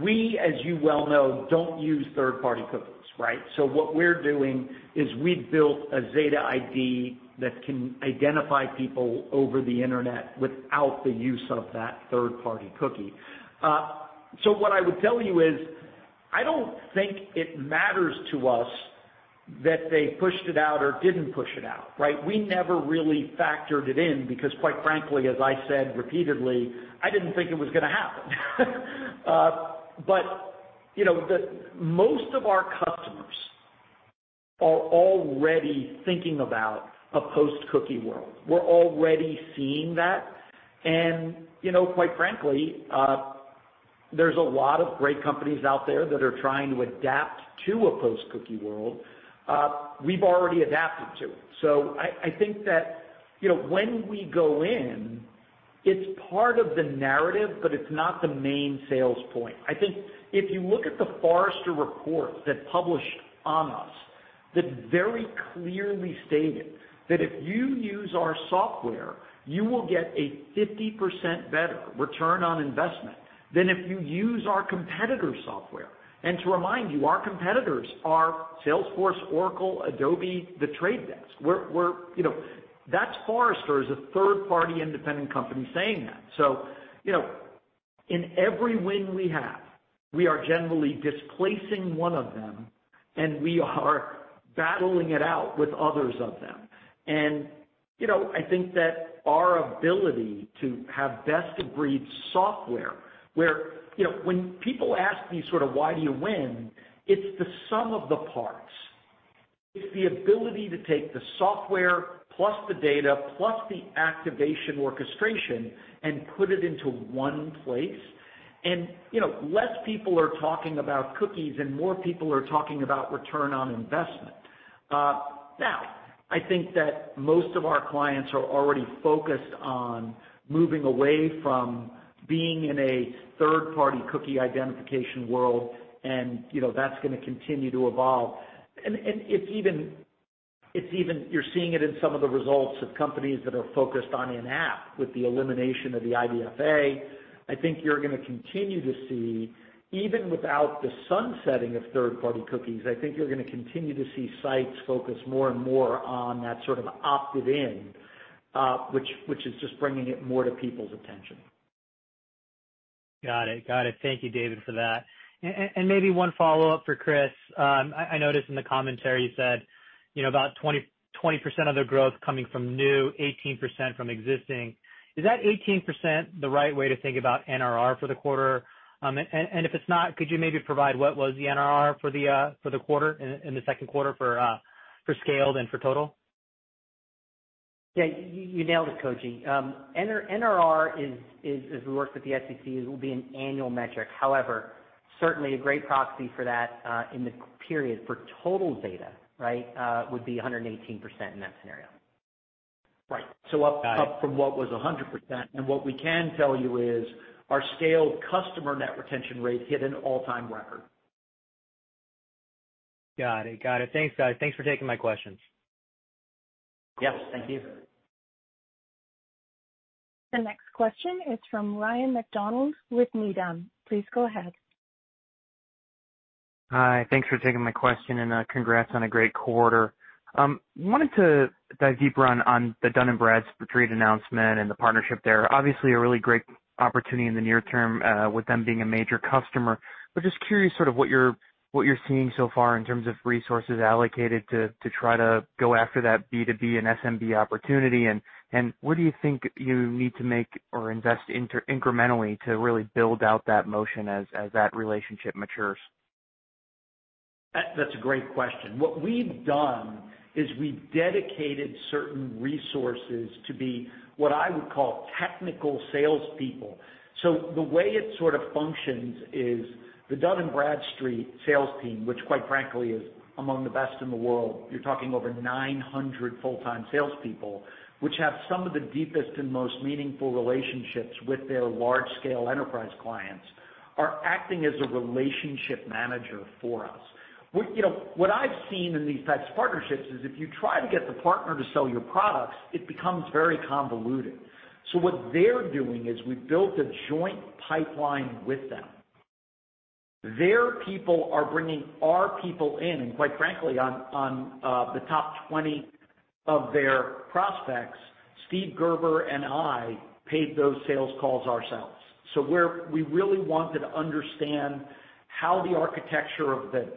We, as you well know, don't use third-party cookies, right? So what we're doing is we've built a Zeta ID that can identify people over the internet without the use of that third-party cookie. So what I would tell you is I don't think it matters to us that they pushed it out or didn't push it out, right? We never really factored it in because, quite frankly, as I said repeatedly, I didn't think it was going to happen. But most of our customers are already thinking about a post-cookie world. We're already seeing that. And quite frankly, there's a lot of great companies out there that are trying to adapt to a post-cookie world. We've already adapted to it. So I think that when we go in, it's part of the narrative, but it's not the main sales point. I think if you look at the Forrester report that's published on us, that very clearly stated that if you use our software, you will get a 50% better return on investment than if you use our competitor software. And to remind you, our competitors are Salesforce, Oracle, Adobe, The Trade Desk. That's Forrester as a third-party independent company saying that. So in every win we have, we are generally displacing one of them, and we are battling it out with others of them. And I think that our ability to have best-of-breed software, where when people ask me sort of why do you win, it's the sum of the parts. It's the ability to take the software plus the data plus the activation orchestration and put it into one place, and less people are talking about cookies, and more people are talking about return on investment. Now, I think that most of our clients are already focused on moving away from being in a third-party cookie identification world, and that's going to continue to evolve, and it's even you're seeing it in some of the results of companies that are focused on in-app with the elimination of the IDFA. I think you're going to continue to see, even without the sunsetting of third-party cookies, I think you're going to continue to see sites focus more and more on that sort of opted-in, which is just bringing it more to people's attention. Got it. Got it. Thank you, David, for that. And maybe one follow-up for Chris. I noticed in the commentary you said about 20% of the growth coming from new, 18% from existing. Is that 18% the right way to think about NRR for the quarter? And if it's not, could you maybe provide what was the NRR for the quarter in the second quarter for scaled and for total? Yeah. You nailed it, Koji. NRR, as we worked with the SEC, will be an annual metric. However, certainly a great proxy for that in the period for total dollar, right, would be 118% in that scenario. Right. So up from what was 100%. And what we can tell you is our scaled customer net retention rate hit an all-time record. Got it. Got it. Thanks, guys. Thanks for taking my questions. Yes. Thank you. The next question is from Ryan MacDonald with Needham. Please go ahead. Hi. Thanks for taking my question, and congrats on a great quarter. Wanted to dive deeper on the Dun & Bradstreet announcement and the partnership there. Obviously, a really great opportunity in the near term with them being a major customer. But just curious sort of what you're seeing so far in terms of resources allocated to try to go after that B2B and SMB opportunity. And what do you think you need to make or invest incrementally to really build out that motion as that relationship matures? That's a great question. What we've done is we've dedicated certain resources to be what I would call technical salespeople. So the way it sort of functions is the Dun & Bradstreet sales team, which, quite frankly, is among the best in the world. You're talking over 900 full-time salespeople, which have some of the deepest and most meaningful relationships with their large-scale enterprise clients, are acting as a relationship manager for us. What I've seen in these types of partnerships is if you try to get the partner to sell your products, it becomes very convoluted. So what they're doing is we've built a joint pipeline with them. Their people are bringing our people in. And quite frankly, on the top 20 of their prospects, Steve Gerber and I paid those sales calls ourselves. So we really wanted to understand how the architecture of the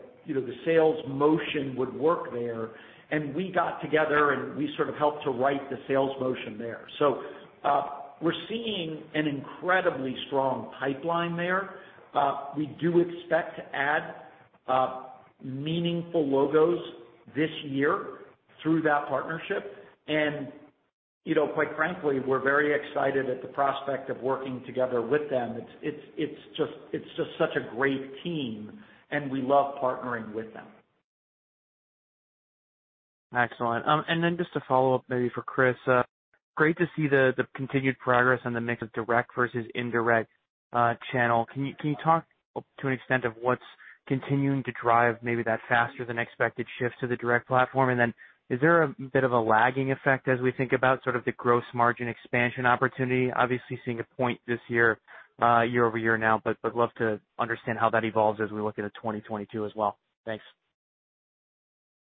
sales motion would work there. And we got together, and we sort of helped to write the sales motion there. So we're seeing an incredibly strong pipeline there. We do expect to add meaningful logos this year through that partnership. And quite frankly, we're very excited at the prospect of working together with them. It's just such a great team, and we love partnering with them. Excellent. And then just to follow up maybe for Chris, great to see the continued progress on the mix of direct versus indirect channel. Can you talk to an extent of what's continuing to drive maybe that faster-than-expected shift to the direct platform? And then is there a bit of a lagging effect as we think about sort of the gross margin expansion opportunity? Obviously, seeing a point this year-over-year now, but would love to understand how that evolves as we look at 2022 as well. Thanks.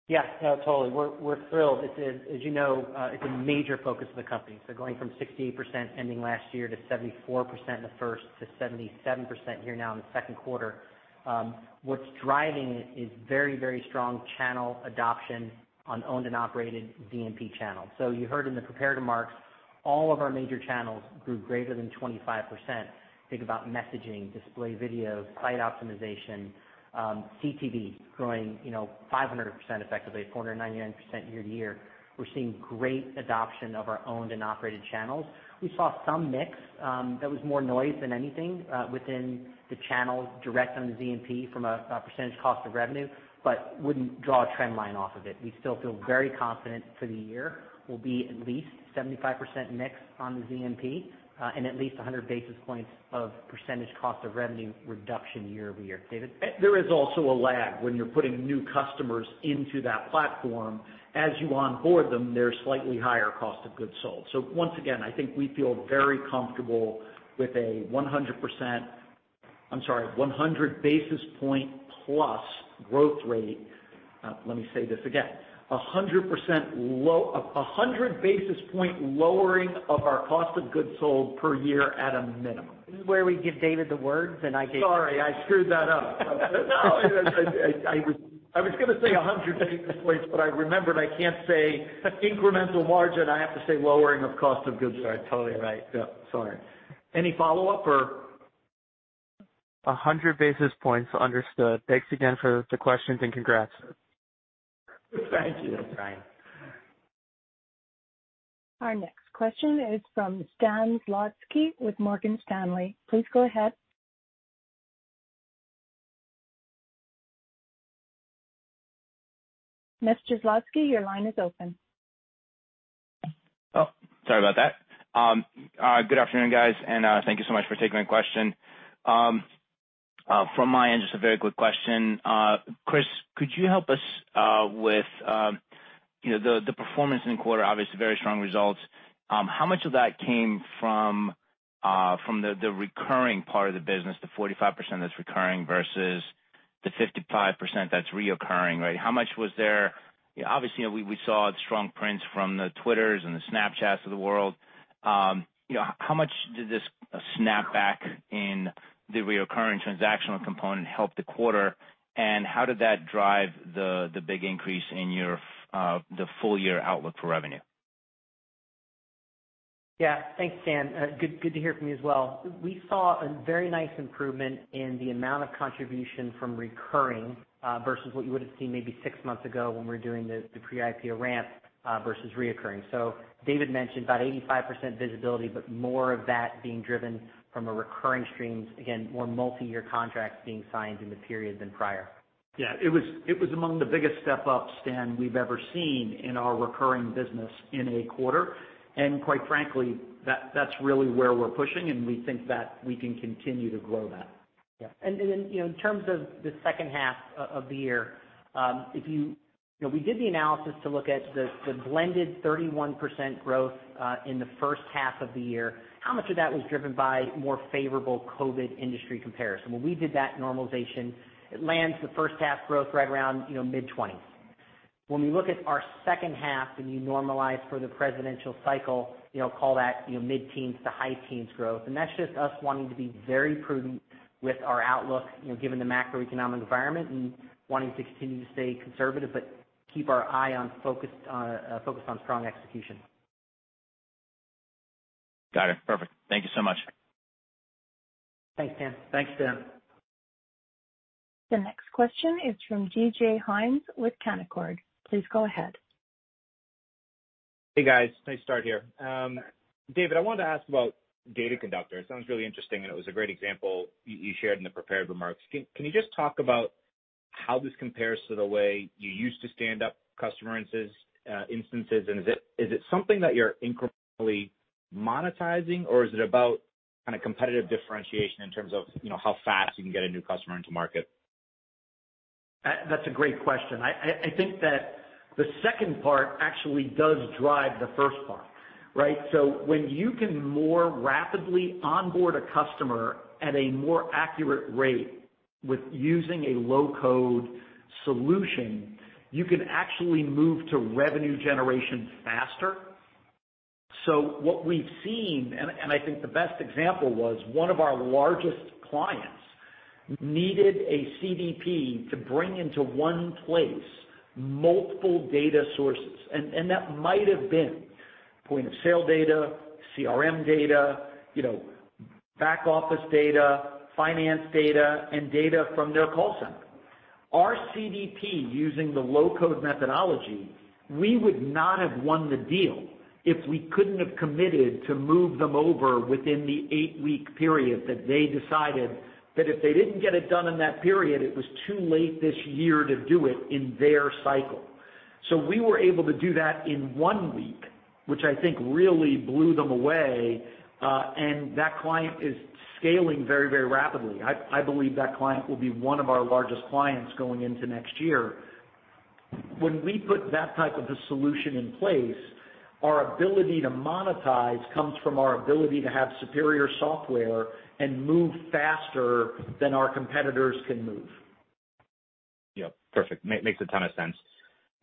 Yeah. No, totally. We're thrilled. As you know, it's a major focus of the company. So going from 68% ending last year to 74% in the first to 77% here now in the second quarter, what's driving it is very, very strong channel adoption on owned and operated ZMP channels. So you heard in the prepared remarks, all of our major channels grew greater than 25%. Think about messaging, display videos, site optimization, CTV growing 500% effectively, 499% year-to-year. We're seeing great adoption of our owned and operated channels. We saw some mix that was more noise than anything within the channel direct on the ZMP from a percentage cost of revenue, but wouldn't draw a trend line off of it. We still feel very confident for the year will be at least 75% mix on the ZMP and at least 100 basis points of percentage cost of revenue reduction year-over-year. David? There is also a lag when you're putting new customers into that platform. As you onboard them, they're slightly higher cost of goods sold. So once again, I think we feel very comfortable with a 100%, I'm sorry, 100 basis point plus growth rate. Let me say this again: 100 basis point lowering of our cost of goods sold per year at a minimum. This is where we give David the words, and I give him. Sorry, I screwed that up. No, I was going to say 100 basis points, but I remembered I can't say incremental margin. I have to say lowering of cost of goods. You're totally right. Yeah. Sorry. Any follow-up or? 100 basis points. Understood. Thanks again for the questions and congrats. Thank you, Ryan. Our next question is from Stan Zlotsky with Morgan Stanley. Please go ahead. Mr. Zlotsky, your line is open. Oh, sorry about that. Good afternoon, guys, and thank you so much for taking my question. From my end, just a very quick question. Chris, could you help us with the performance in the quarter? Obviously, very strong results. How much of that came from the recurring part of the business, the 45% that's recurring versus the 55% that's reoccurring, right? How much was there? Obviously, we saw strong prints from the Twitters and the Snapchats of the world. How much did this snapback in the reoccurring transactional component help the quarter? And how did that drive the big increase in the full-year outlook for revenue? Yeah. Thanks, Stan. Good to hear from you as well. We saw a very nice improvement in the amount of contribution from recurring versus what you would have seen maybe six months ago when we were doing the pre-IPO ramp versus reoccurring. So David mentioned about 85% visibility, but more of that being driven from recurring streams, again, more multi-year contracts being signed in the period than prior. Yeah. It was among the biggest step-ups, Stan, we've ever seen in our recurring business in a quarter. And quite frankly, that's really where we're pushing, and we think that we can continue to grow that. Yeah. And then in terms of the second half of the year, we did the analysis to look at the blended 31% growth in the first half of the year. How much of that was driven by more favorable COVID industry comparison? When we did that normalization, it lands the first half growth right around mid-20s. When we look at our second half and you normalize for the presidential cycle, call that mid-teens to high-teens growth. And that's just us wanting to be very prudent with our outlook given the macroeconomic environment and wanting to continue to stay conservative but keep our eye focused on strong execution. Got it. Perfect. Thank you so much. Thanks, Stan. Thanks, Stan. The next question is from DJ Hynes with Canaccord Genuity. Please go ahead. Hey, guys. Nice start here. David, I wanted to ask about Data Conductor. It sounds really interesting, and it was a great example you shared in the prepared remarks. Can you just talk about how this compares to the way you used to stand up customer instances? And is it something that you're incrementally monetizing, or is it about kind of competitive differentiation in terms of how fast you can get a new customer into market? That's a great question. I think that the second part actually does drive the first part, right? So when you can more rapidly onboard a customer at a more accurate rate with using a low-code solution, you can actually move to revenue generation faster. So what we've seen, and I think the best example was one of our largest clients needed a CDP to bring into one place multiple data sources. And that might have been point-of-sale data, CRM data, back-office data, finance data, and data from their call center. Our CDP using the low-code methodology, we would not have won the deal if we couldn't have committed to move them over within the eight-week period that they decided that if they didn't get it done in that period, it was too late this year to do it in their cycle. So we were able to do that in one week, which I think really blew them away. And that client is scaling very, very rapidly. I believe that client will be one of our largest clients going into next year. When we put that type of a solution in place, our ability to monetize comes from our ability to have superior software and move faster than our competitors can move. Yep. Perfect. Makes a ton of sense.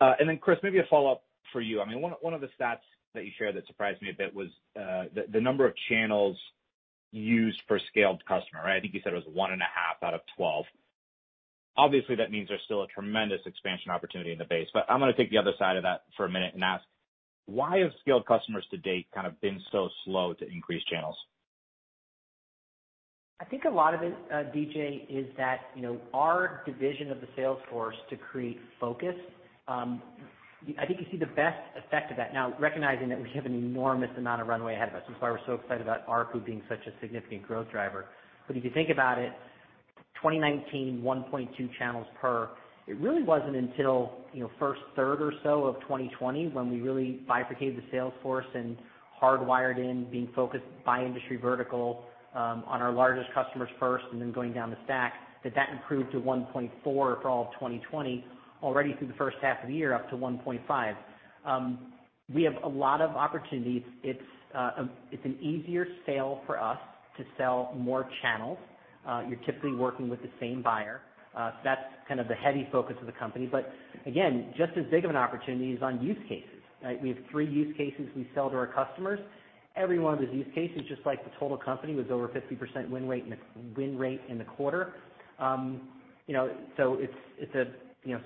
And then, Chris, maybe a follow-up for you. I mean, one of the stats that you shared that surprised me a bit was the number of channels used for scaled customer, right? I think you said it was one and a half out of 12. Obviously, that means there's still a tremendous expansion opportunity in the base. But I'm going to take the other side of that for a minute and ask, why have scaled customers to date kind of been so slow to increase channels? I think a lot of it, DJ, is that our division of the sales force to create focus. I think you see the best effect of that. Now, recognizing that we have an enormous amount of runway ahead of us, that's why we're so excited about ARPU being such a significant growth driver. But if you think about it, 2019, 1.2 channels per, it really wasn't until first third or so of 2020 when we really bifurcated the sales force and hardwired in being focused by industry vertical on our largest customers first and then going down the stack that that improved to 1.4 for all of 2020, already through the first half of the year up to 1.5. We have a lot of opportunities. It's an easier sale for us to sell more channels. You're typically working with the same buyer. That's kind of the heavy focus of the company. But again, just as big of an opportunity is on use cases, right? We have three use cases we sell to our customers. Every one of those use cases, just like the total company, was over 50% win rate in the quarter. So it's a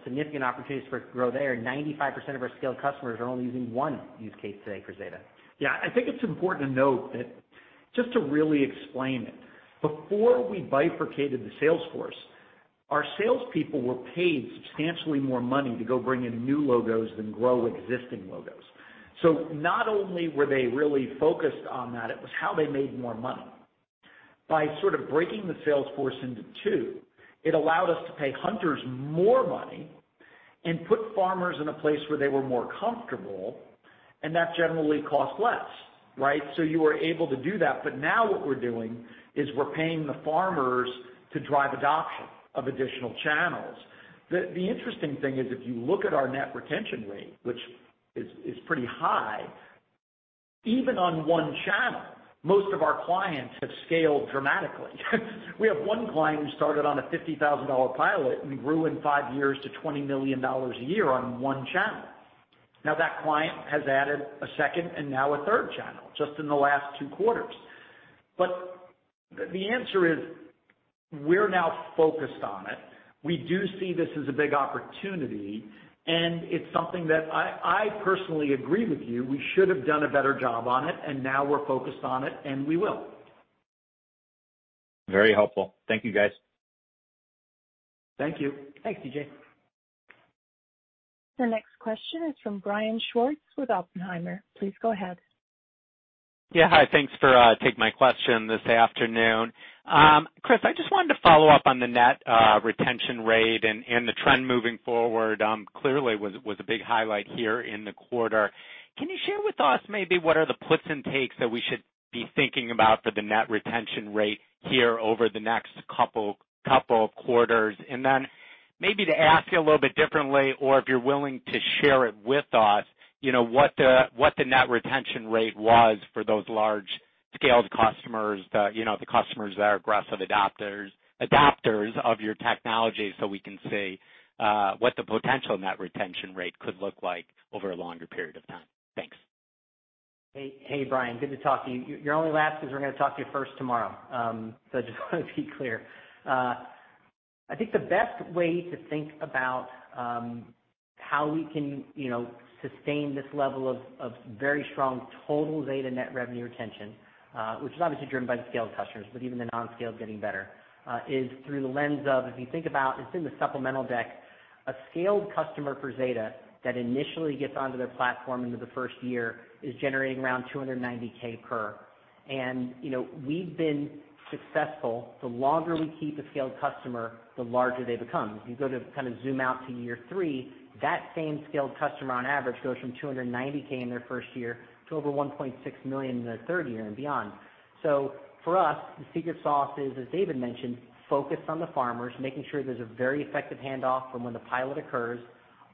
significant opportunity for growth there. 95% of our scaled customers are only using one use case today for Zeta. Yeah. I think it's important to note that just to really explain it, before we bifurcated the sales force, our salespeople were paid substantially more money to go bring in new logos than grow existing logos. So not only were they really focused on that, it was how they made more money. By sort of breaking the sales force into two, it allowed us to pay hunters more money and put farmers in a place where they were more comfortable, and that generally cost less, right? So you were able to do that. But now what we're doing is we're paying the farmers to drive adoption of additional channels. The interesting thing is if you look at our net retention rate, which is pretty high, even on one channel, most of our clients have scaled dramatically. We have one client who started on a $50,000 pilot and grew in five years to $20 million a year on one channel. Now, that client has added a second and now a third channel just in the last two quarters. But the answer is we're now focused on it. We do see this as a big opportunity, and it's something that I personally agree with you. We should have done a better job on it, and now we're focused on it, and we will. Very helpful. Thank you, guys. Thank you. Thanks, DJ. The next question is from Brian Schwartz with Oppenheimer. Please go ahead. Yeah. Hi. Thanks for taking my question this afternoon. Chris, I just wanted to follow up on the net retention rate and the trend moving forward. Clearly, it was a big highlight here in the quarter. Can you share with us maybe what are the puts and takes that we should be thinking about for the net retention rate here over the next couple of quarters? And then maybe to ask you a little bit differently, or if you're willing to share it with us, what the net retention rate was for those large-scaled customers, the customers that are aggressive adopters of your technology so we can see what the potential net retention rate could look like over a longer period of time. Thanks. Hey, Brian. Good to talk to you. You're only last because we're going to talk to you first tomorrow. So I just want to be clear. I think the best way to think about how we can sustain this level of very strong total Zeta net revenue retention, which is obviously driven by the scaled customers, but even the non-scaled getting better, is through the lens of if you think about it's in the supplemental deck, a scaled customer for Zeta that initially gets onto their platform into the first year is generating around $290K per. And we've been successful. The longer we keep a scaled customer, the larger they become. If you go to kind of zoom out to year three, that same scaled customer on average goes from $290K in their first year to over $1.6 million in their third year and beyond. So for us, the secret sauce is, as David mentioned, focus on the farmers, making sure there's a very effective handoff from when the pilot occurs,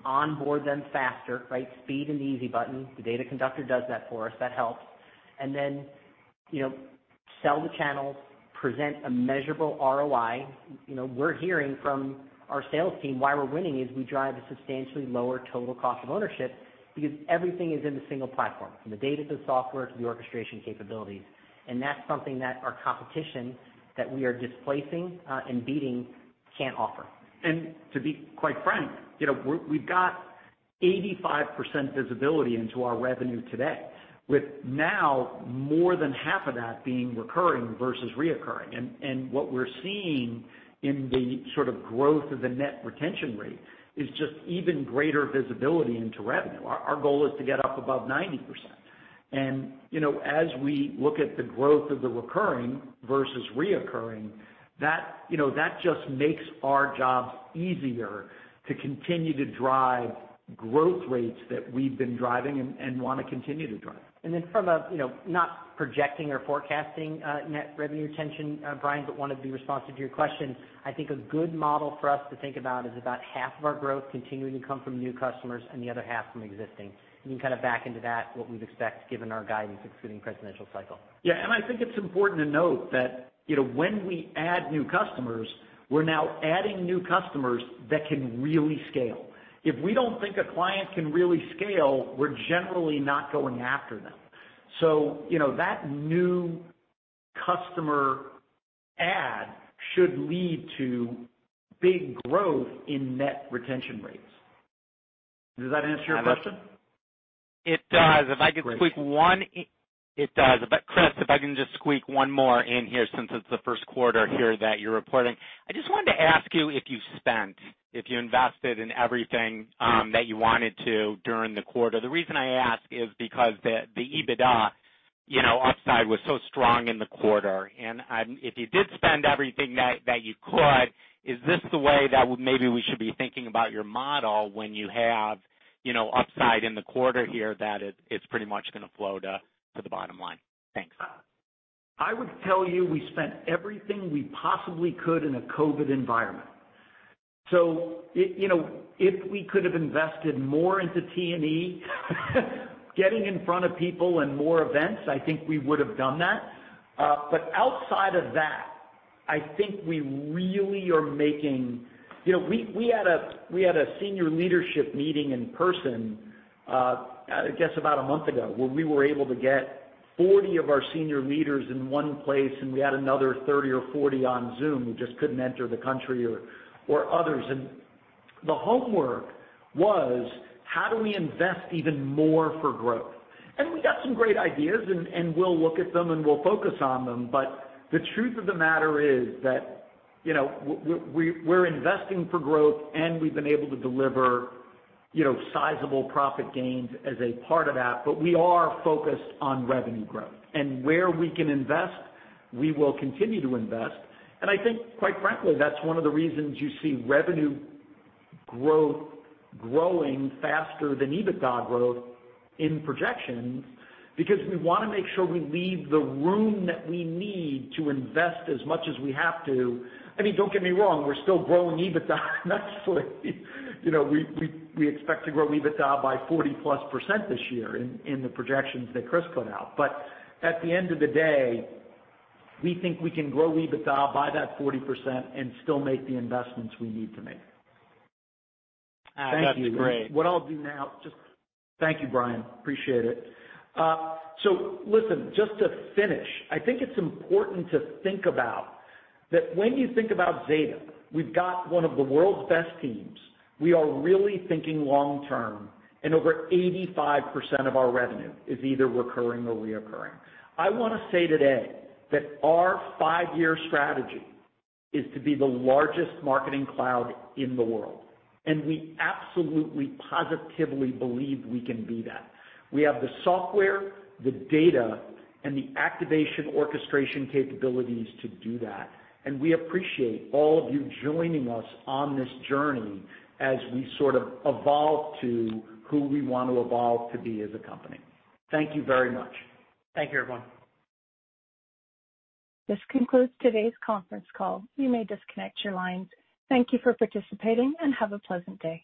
onboard them faster, right? Speed and the easy button. The Data Conductor does that for us. That helps. And then sell the channels, present a measurable ROI. We're hearing from our sales team why we're winning is we drive a substantially lower total cost of ownership because everything is in the single platform, from the data to the software to the orchestration capabilities. And that's something that our competition that we are displacing and beating can't offer. To be quite frank, we've got 85% visibility into our revenue today, with now more than half of that being recurring versus reoccurring. What we're seeing in the sort of growth of the net retention rate is just even greater visibility into revenue. Our goal is to get up above 90%. As we look at the growth of the recurring versus reoccurring, that just makes our jobs easier to continue to drive growth rates that we've been driving and want to continue to drive. And then, from a not projecting or forecasting net revenue retention, Brian, but wanted to be responsive to your question, I think a good model for us to think about is about half of our growth continuing to come from new customers and the other half from existing. You can kind of back into that what we'd expect given our guidance excluding presidential cycle. Yeah. And I think it's important to note that when we add new customers, we're now adding new customers that can really scale. If we don't think a client can really scale, we're generally not going after them. So that new customer add should lead to big growth in net retention rates. Does that answer your question? It does. Chris, if I can just squeak one more in here since it's the first quarter here that you're reporting. I just wanted to ask you if you spent, if you invested in everything that you wanted to during the quarter. The reason I ask is because the EBITDA upside was so strong in the quarter, and if you did spend everything that you could, is this the way that maybe we should be thinking about your model when you have upside in the quarter here that it's pretty much going to flow to the bottom line? Thanks. I would tell you we spent everything we possibly could in a COVID environment, so if we could have invested more into T&E, getting in front of people and more events, I think we would have done that, but outside of that, I think we really had a senior leadership meeting in person, I guess about a month ago, where we were able to get 40 of our senior leaders in one place, and we had another 30 or 40 on Zoom who just couldn't enter the country or others, and the homework was, how do we invest even more for growth? And we got some great ideas, and we'll look at them and we'll focus on them, but the truth of the matter is that we're investing for growth, and we've been able to deliver sizable profit gains as a part of that. But we are focused on revenue growth. And where we can invest, we will continue to invest. And I think, quite frankly, that's one of the reasons you see revenue growth growing faster than EBITDA growth in projections because we want to make sure we leave the room that we need to invest as much as we have to. I mean, don't get me wrong, we're still growing EBITDA nicely. We expect to grow EBITDA by 40-plus% this year in the projections that Chris put out. But at the end of the day, we think we can grow EBITDA by that 40% and still make the investments we need to make. That's great. What I'll do now just thank you, Brian. Appreciate it, so listen, just to finish, I think it's important to think about that when you think about Zeta, we've got one of the world's best teams. We are really thinking long-term, and over 85% of our revenue is either recurring or reoccurring. I want to say today that our five-year strategy is to be the largest marketing cloud in the world, and we absolutely positively believe we can be that. We have the software, the data, and the activation orchestration capabilities to do that, and we appreciate all of you joining us on this journey as we sort of evolve to who we want to evolve to be as a company. Thank you very much. Thank you, everyone. This concludes today's conference call. You may disconnect your lines. Thank you for participating and have a pleasant day.